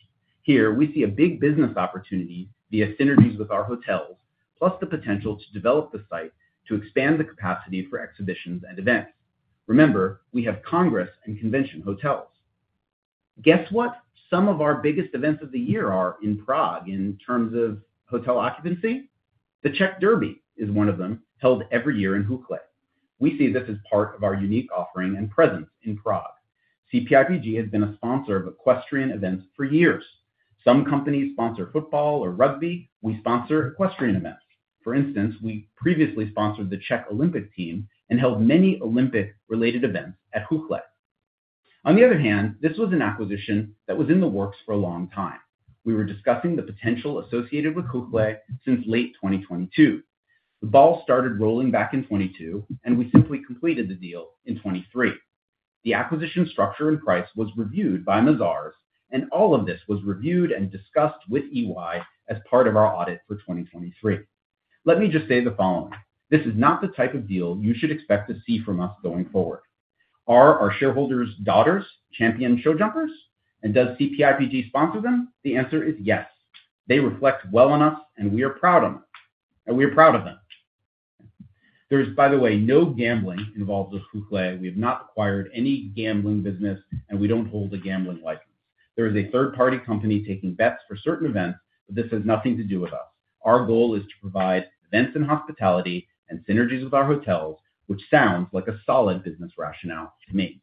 Here, we see a big business opportunity via synergies with our hotels, plus the potential to develop the site to expand the capacity for exhibitions and events. Remember, we have congress and convention hotels. Guess what? Some of our biggest events of the year are in Prague in terms of hotel occupancy. The Czech Derby is one of them, held every year in Chuchle. We see this as part of our unique offering and presence in Prague. CPI PG has been a sponsor of equestrian events for years. Some companies sponsor football or rugby. We sponsor equestrian events. For instance, we previously sponsored the Czech Olympic team and held many Olympic-related events at Chuchle. On the other hand, this was an acquisition that was in the works for a long time. We were discussing the potential associated with Chuchle since late 2022. The ball started rolling back in 2022, and we simply completed the deal in 2023. The acquisition structure and price was reviewed by Mazars, and all of this was reviewed and discussed with EY as part of our audit for 2023. Let me just say the following. This is not the type of deal you should expect to see from us going forward. Are our shareholders' daughters champion show jumpers? And does CPI PG sponsor them? The answer is yes. They reflect well on us, and we are proud of them. And we are proud of them. There is, by the way, no gambling involved with Chuchle. We have not acquired any gambling business, and we don't hold a gambling license. There is a third-party company taking bets for certain events, but this has nothing to do with us. Our goal is to provide events and hospitality and synergies with our hotels, which sounds like a solid business rationale to me.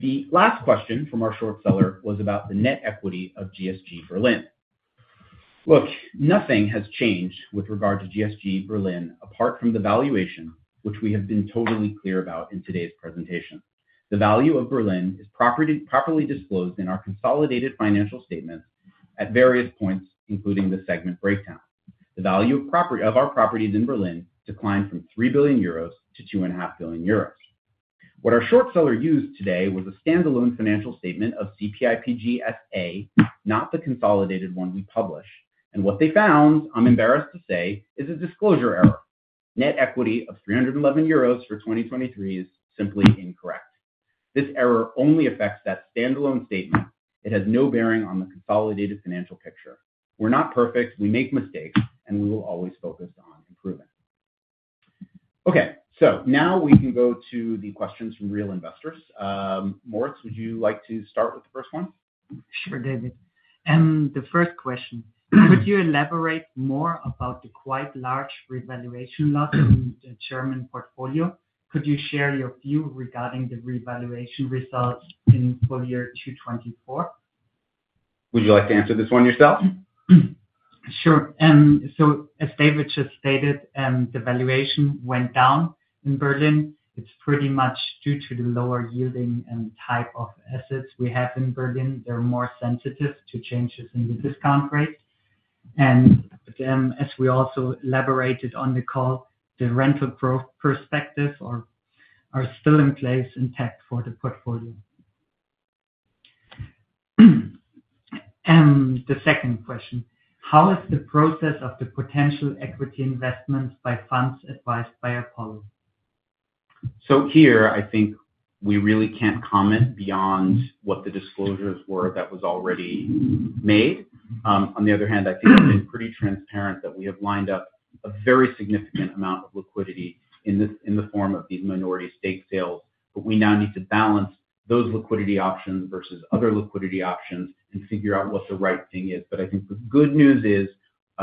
The last question from our short seller was about the net equity of GSG Berlin. Look, nothing has changed with regard to GSG Berlin apart from the valuation, which we have been totally clear about in today's presentation. The value of Berlin is properly disclosed in our consolidated financial statements at various points, including the segment breakdown. The value of our properties in Berlin declined from 3 billion euros to 2.5 billion euros. What our short seller used today was a standalone financial statement of CPI PG SA, not the consolidated one we publish. And what they found, I'm embarrassed to say, is a disclosure error. Net equity of 311 euros for 2023 is simply incorrect. This error only affects that standalone statement. It has no bearing on the consolidated financial picture. We're not perfect. We make mistakes, and we will always focus on improving. Okay. Now we can go to the questions from real investors. Moritz, would you like to start with the first one? Sure, David. The first question, could you elaborate more about the quite large revaluation loss in the German portfolio? Could you share your view regarding the revaluation results in full year 2024? Would you like to answer this one yourself? Sure. So as David just stated, the valuation went down in Berlin. It's pretty much due to the lower yielding and type of assets we have in Berlin. They're more sensitive to changes in the discount rate. And as we also elaborated on the call, the rental growth perspectives are still in place intact for the portfolio. The second question, how is the process of the potential equity investments by funds advised by Apollo? So here, I think we really can't comment beyond what the disclosures were that were already made. On the other hand, I think it's been pretty transparent that we have lined up a very significant amount of liquidity in the form of these minority stake sales. But we now need to balance those liquidity options versus other liquidity options and figure out what the right thing is. But I think the good news is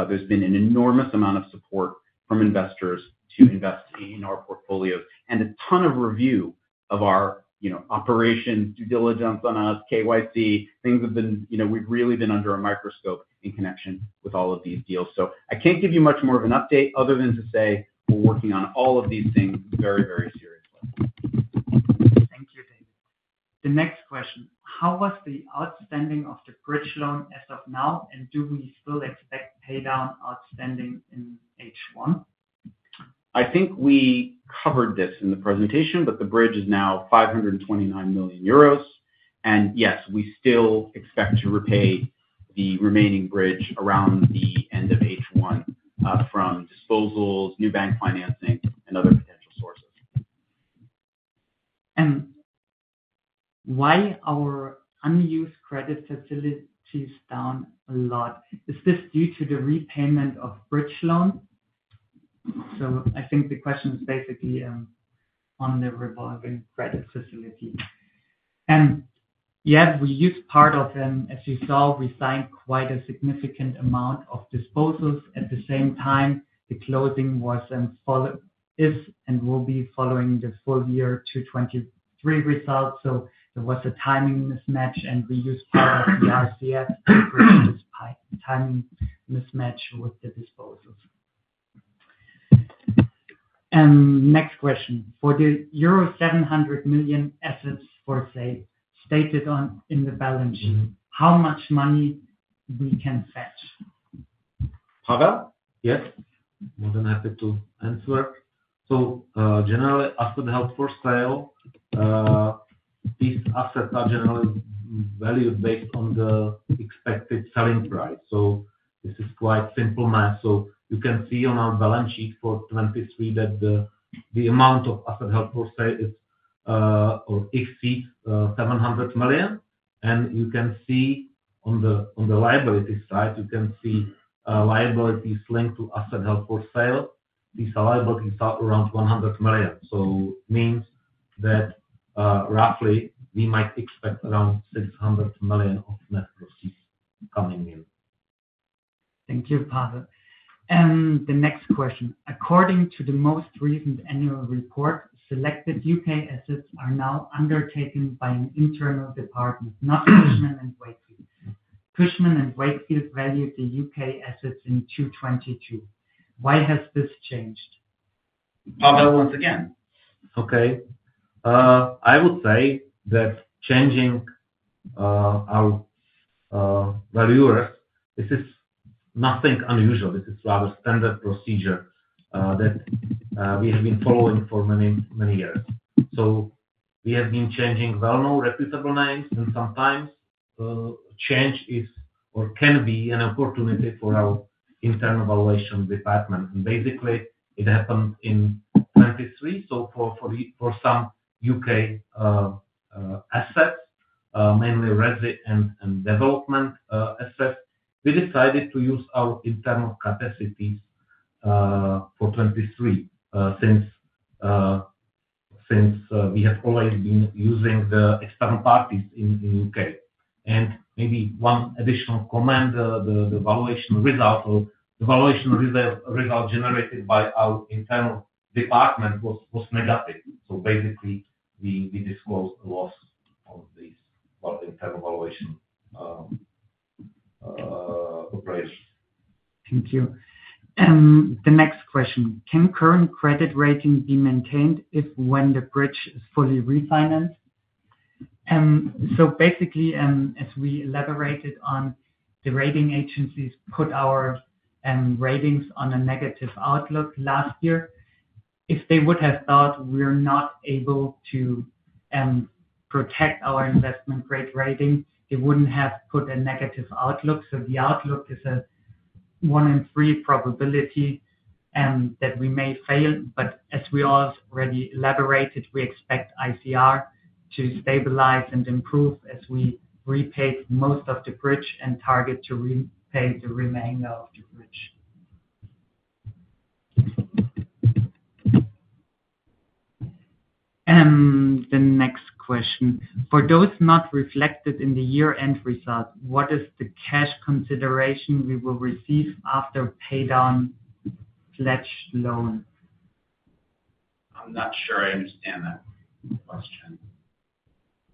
there's been an enormous amount of support from investors to invest in our portfolios and a ton of review of our operations, due diligence on us, KYC. Things have been. We've really been under a microscope in connection with all of these deals. So I can't give you much more of an update other than to say we're working on all of these things very, very seriously. Thank you, David. The next question, how was the outstanding of the bridge loan as of now, and do we still expect paydown outstanding in H1? I think we covered this in the presentation, but the bridge is now 529 million euros. And yes, we still expect to repay the remaining bridge around the end of H1 from disposals, new bank financing, and other potential sources. Why are our unused credit facilities down a lot? Is this due to the repayment of bridge loan? I think the question is basically on the revolving credit facility. Yeah, we used part of them. As you saw, we signed quite a significant amount of disposals. At the same time, the closing is and will be following the full year 2023 results. There was a timing mismatch, and we used part of the RCF to bridge this timing mismatch with the disposals. Next question, for the euro 700 million assets stated in the balance sheet, how much money can we fetch? Pavel, yes? More than happy to answer. So generally, after the held for sale, these assets are generally valued based on the expected selling price. So this is quite simple math. So you can see on our balance sheet for 2023 that the amount of assets held for sale exceeds 700 million. And you can see on the liability side, you can see liabilities linked to assets held for sale. These liabilities are around 100 million. So it means that roughly, we might expect around 600 million of net proceeds coming in. Thank you, Pavel. The next question, according to the most recent annual report, selected UK assets are now undertaken by an internal department, not Cushman & Wakefield. Cushman & Wakefield valued the UK assets in 2022. Why has this changed? Pavel, once again. Okay. I would say that changing our valuers, this is nothing unusual. This is rather standard procedure that we have been following for many, many years. So we have been changing well-known reputable names, and sometimes change is or can be an opportunity for our internal valuation department. And basically, it happened in 2023. So for some U.K. assets, mainly residential and development assets, we decided to use our internal capacities for 2023 since we have always been using the external parties in the U.K. And maybe one additional comment, the valuation result or the valuation result generated by our internal department was negative. So basically, we disclosed the loss of these internal valuation operations. Thank you. The next question: Can the current credit rating be maintained if and when the bridge is fully refinanced? So basically, as we elaborated on, the rating agencies put our ratings on a negative outlook last year. If they would have thought we're not able to protect our investment grade rating, they wouldn't have put a negative outlook. So the outlook is a 1 in 3 probability that we may fail. But as we already elaborated, we expect ICR to stabilize and improve as we repay most of the bridge and target to repay the remainder of the bridge. The next question: For those not reflected in the year-end result, what is the cash consideration we will receive after paydown of pledged loan? I'm not sure I understand that question.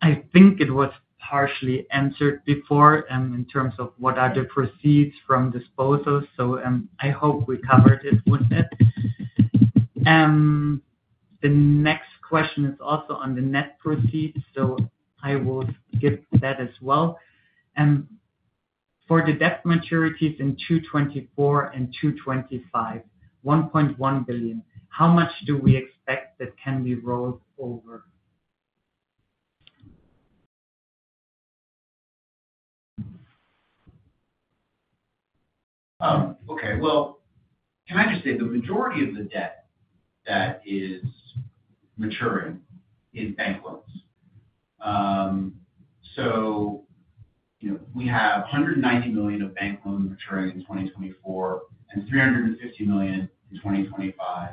I think it was partially answered before in terms of what are the proceeds from disposals. So I hope we covered it with it. The next question is also on the net proceeds. So I will skip that as well. For the debt maturities in 2024 and 2025, 1.1 billion, how much do we expect that can be rolled over? Okay. Well, can I just say the majority of the debt that is maturing is bank loans. So we have 190 million of bank loans maturing in 2024 and 350 million in 2025.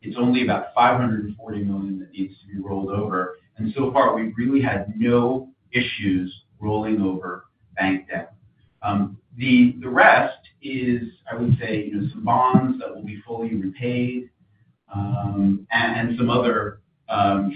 It's only about 540 million that needs to be rolled over. And so far, we've really had no issues rolling over bank debt. The rest is, I would say, some bonds that will be fully repaid and some other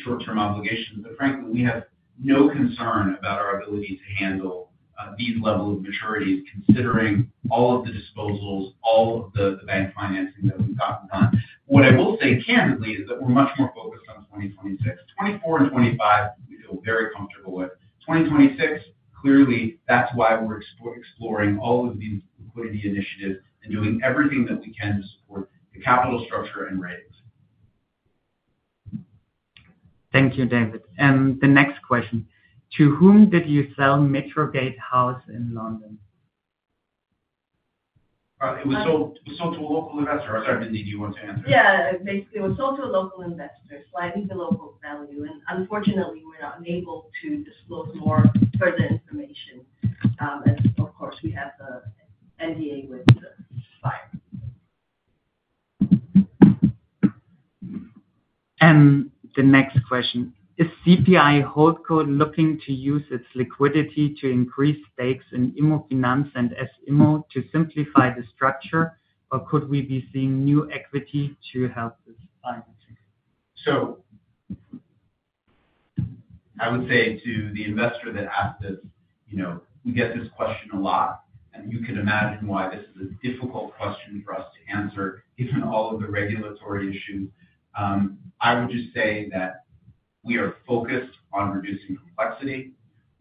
short-term obligations. But frankly, we have no concern about our ability to handle these levels of maturities considering all of the disposals, all of the bank financing that we've gotten done. What I will say candidly is that we're much more focused on 2026. 2024 and 2025, we feel very comfortable with. 2026, clearly, that's why we're exploring all of these liquidity initiatives and doing everything that we can to support the capital structure and ratings. Thank you, David. The next question, to whom did you sell MetroGate House in London? It was sold to a local investor. I'm sorry, Mindee, do you want to answer? Yeah. Basically, it was sold to a local investor, slightly below book value. Unfortunately, we're not able to disclose more further information as, of course, we have the NDA with the buyer. The next question, is CPI Holdco looking to use its liquidity to increase stakes in IMMOFINANZ and S IMMO to simplify the structure, or could we be seeing new equity to help this financing? So I would say to the investor that asked this, we get this question a lot. And you can imagine why this is a difficult question for us to answer given all of the regulatory issues. I would just say that we are focused on reducing complexity.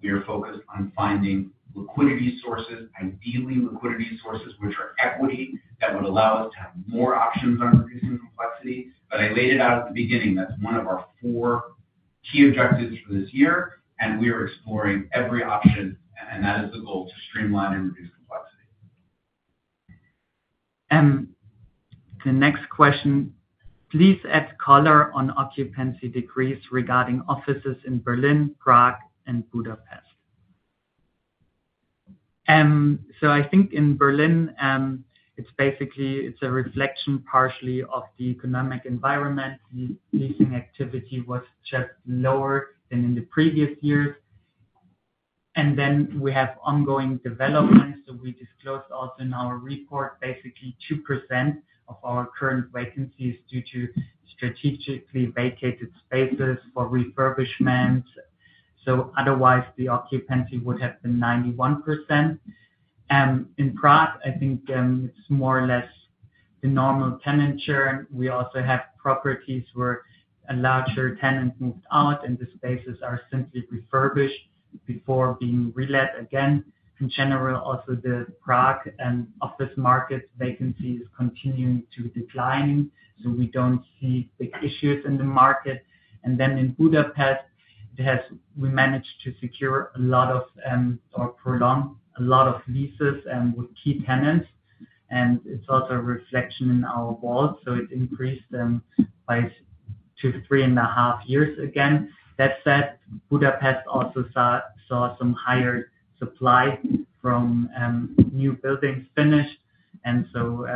We are focused on finding liquidity sources, ideally liquidity sources which are equity that would allow us to have more options on reducing complexity. But I laid it out at the beginning. That's one of our four key objectives for this year. And we are exploring every option. And that is the goal, to streamline and reduce complexity. The next question, please add color on occupancy decrease regarding offices in Berlin, Prague, and Budapest. So I think in Berlin, it's a reflection partially of the economic environment. Leasing activity was just lower than in the previous years. And then we have ongoing developments. So we disclosed also in our report, basically, 2% of our current vacancies due to strategically vacated spaces for refurbishment. So otherwise, the occupancy would have been 91%. In Prague, I think it's more or less the normal tenure. We also have properties where a larger tenant moved out, and the spaces are simply refurbished before being relet again. In general, also the Prague office market vacancy is continuing to decline. So we don't see big issues in the market. And then in Budapest, we managed to secure a lot of or prolong a lot of leases with key tenants. It's also reflected in our WALTs. So it increased by 2-3.5 years again. That said, Budapest also saw some higher supply from new buildings finished. So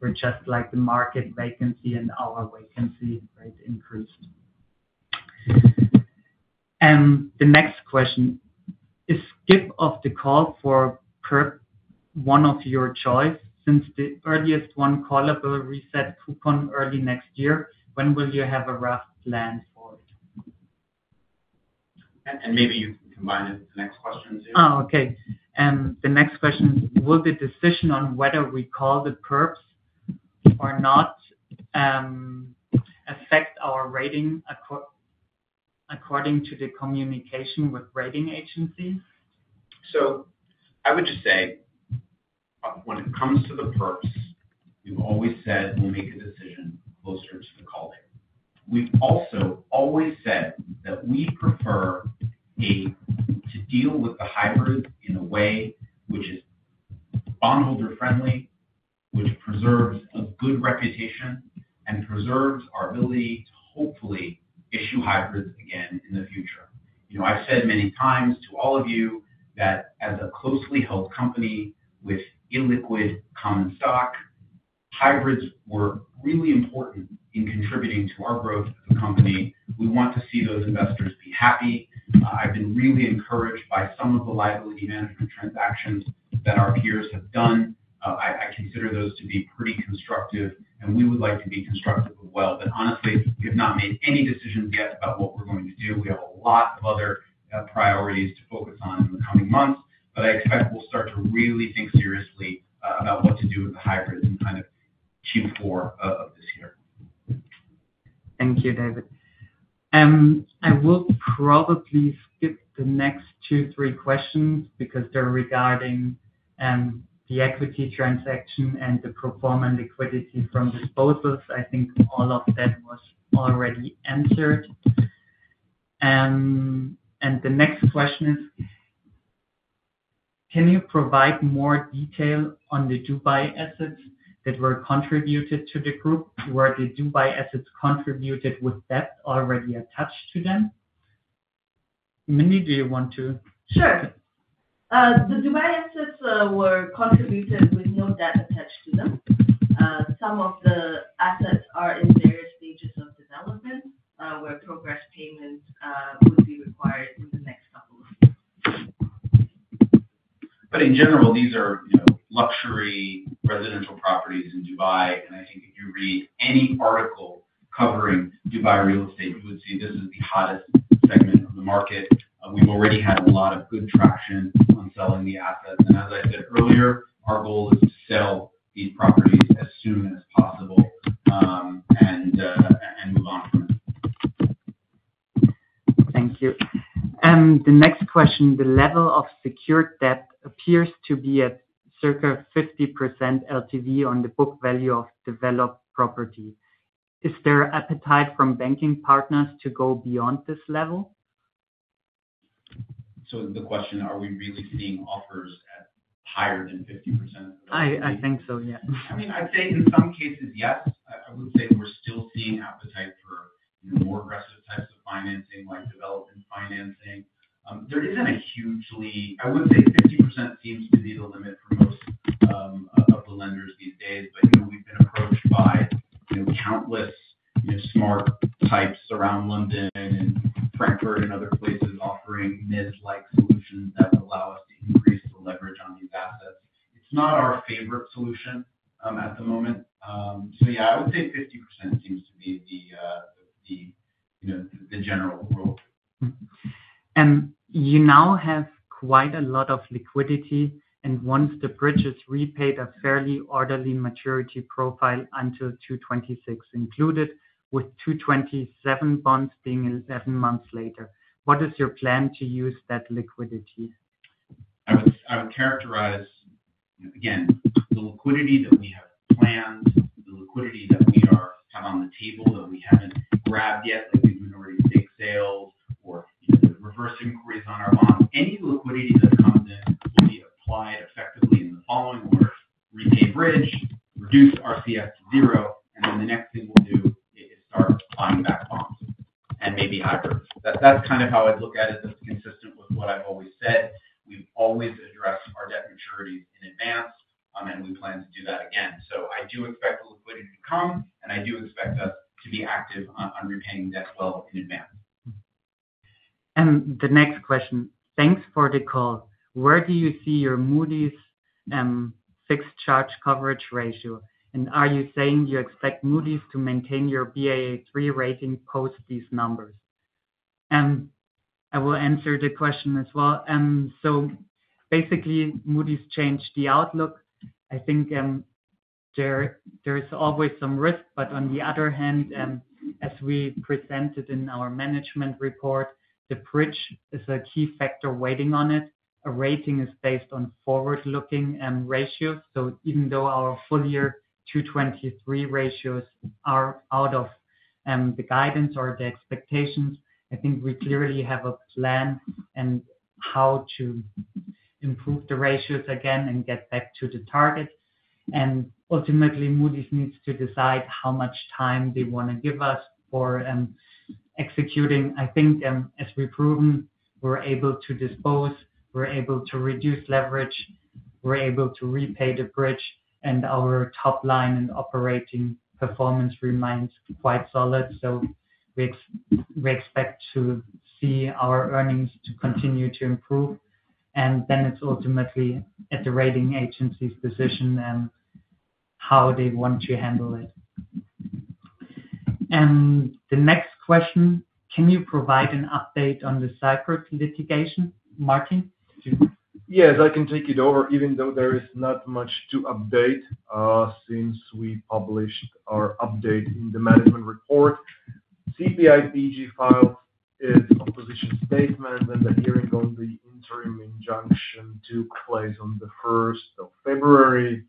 we're just like the market vacancy and our vacancy rate increased. The next question is CPI call option for one of your choice since the earliest one callable will reset coupon early next year. When will you have a rough plan for it? Maybe you can combine it with the next question too. Oh, okay. The next question: Will the decision on whether we call the perps or not affect our rating according to the communication with rating agencies? So I would just say when it comes to the perps, we've always said we'll make a decision closer to the call date. We've also always said that we prefer to deal with the hybrid in a way which is bondholder-friendly, which preserves a good reputation, and preserves our ability to hopefully issue hybrids again in the future. I've said many times to all of you that as a closely held company with illiquid common stock, hybrids were really important in contributing to our growth as a company. We want to see those investors be happy. I've been really encouraged by some of the liability management transactions that our peers have done. I consider those to be pretty constructive. And we would like to be constructive as well. But honestly, we have not made any decisions yet about what we're going to do. We have a lot of other priorities to focus on in the coming months. But I expect we'll start to really think seriously about what to do with the hybrids in kind of Q4 of this year. Thank you, David. I will probably skip the next two, three questions because they're regarding the equity transaction and the profound liquidity from disposals. I think all of that was already answered. And the next question is, can you provide more detail on the Dubai assets that were contributed to the group? Were the Dubai assets contributed with debt already attached to them? Mindee, do you want to? Sure. The Dubai assets were contributed with no debt attached to them. Some of the assets are in various stages of development where progress payments would be required in the next couple of years. In general, these are luxury residential properties in Dubai. I think if you read any article covering Dubai real estate, you would see this is the hottest segment of the market. We've already had a lot of good traction on selling the assets. As I said earlier, our goal is to sell these properties as soon as possible and move on from it. Thank you. The next question, the level of secured debt appears to be at circa 50% LTV on the book value of developed property. Is there appetite from banking partners to go beyond this level? The question, are we really seeing offers at higher than 50%? I think so, yeah. I mean, I'd say in some cases, yes. I would say we're still seeing appetite for more aggressive types of financing like development financing. There isn't a hugely, I would say, 50% seems to be the limit for most of the lenders these days. But we've been approached by countless smart types around London and Frankfurt and other places offering mezz-like solutions that would allow us to increase the leverage on these assets. It's not our favorite solution at the moment. So yeah, I would say 50% seems to be the general rule. You now have quite a lot of liquidity. Once the bridge is repaid, a fairly orderly maturity profile until 2026 included with 2027 bonds being 11 months later. What is your plan to use that liquidity? I would characterize, again, the liquidity that we have planned, the liquidity that we have on the table that we haven't grabbed yet like we've been doing already stake sales or the reverse inquiries on our bonds. Any liquidity that comes in will be applied effectively in the following order: repay bridge, reduce RCF to zero. Then the next thing we'll do is start buying back bonds and maybe hybrids. That's kind of how I'd look at it. That's consistent with what I've always said. We've always addressed our debt maturities in advance. And we plan to do that again. So I do expect the liquidity to come. And I do expect us to be active on repaying debt well in advance. The next question, thanks for the call. Where do you see your Moody's fixed charge coverage ratio? And are you saying you expect Moody's to maintain your Baa3 rating post these numbers? I will answer the question as well. So basically, Moody's changed the outlook. I think there is always some risk. But on the other hand, as we presented in our management report, the bridge is a key factor waiting on it. A rating is based on forward-looking ratios. So even though our full-year 2023 ratios are out of the guidance or the expectations, I think we clearly have a plan and how to improve the ratios again and get back to the target. And ultimately, Moody's needs to decide how much time they want to give us for executing. I think as we've proven, we're able to dispose. We're able to reduce leverage. We're able to repay the bridge. Our top line and operating performance remains quite solid. We expect to see our earnings continue to improve. Then it's ultimately at the rating agency's decision how they want to handle it. The next question: Can you provide an update on the Cyprus litigation, Martin? Yes. I can take it over. Even though there is not much to update since we published our update in the management report, CPI PG filed its opposition statement. The hearing on the interim injunction took place on the 1st of February.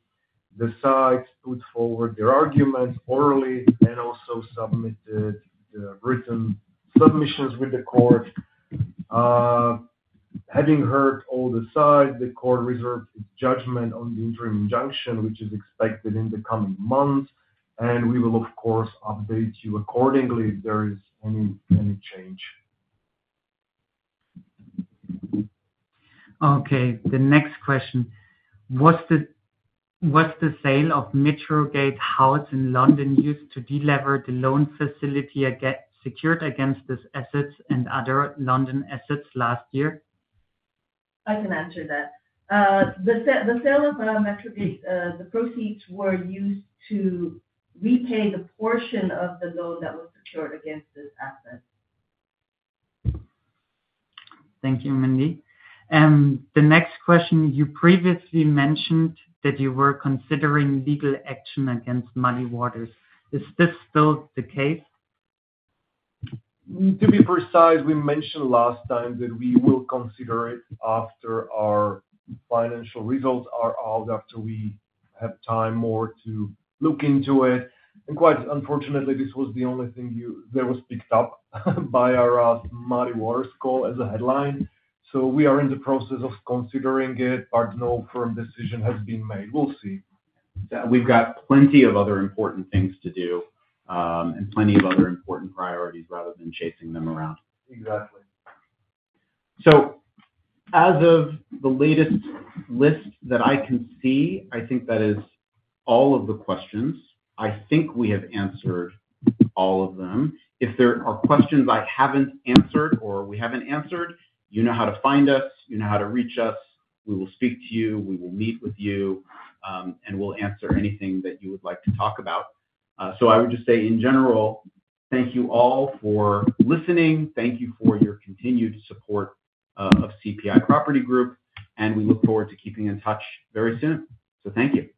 The sides put forward their arguments orally and also submitted the written submissions with the court. Having heard all the sides, the court reserved its judgment on the interim injunction, which is expected in the coming months. We will, of course, update you accordingly if there is any change. Okay. The next question, was the sale of Metro Gate House in London used to delever the loan facility secured against these assets and other London assets last year? I can answer that. The sale of Metro Gate, the proceeds were used to repay the portion of the loan that was secured against this asset. Thank you, Mindee. The next question, you previously mentioned that you were considering legal action against Muddy Waters. Is this still the case? To be precise, we mentioned last time that we will consider it after our financial results are out, after we have time more to look into it. Quite unfortunately, this was the only thing that was picked up by our Muddy Waters call as a headline. We are in the process of considering it. No firm decision has been made. We'll see. We've got plenty of other important things to do and plenty of other important priorities rather than chasing them around. Exactly. As of the latest list that I can see, I think that is all of the questions. I think we have answered all of them. If there are questions I haven't answered or we haven't answered, you know how to find us. You know how to reach us. We will speak to you. We will meet with you. We'll answer anything that you would like to talk about. I would just say in general, thank you all for listening. Thank you for your continued support of CPI Property Group. We look forward to keeping in touch very soon. Thank you.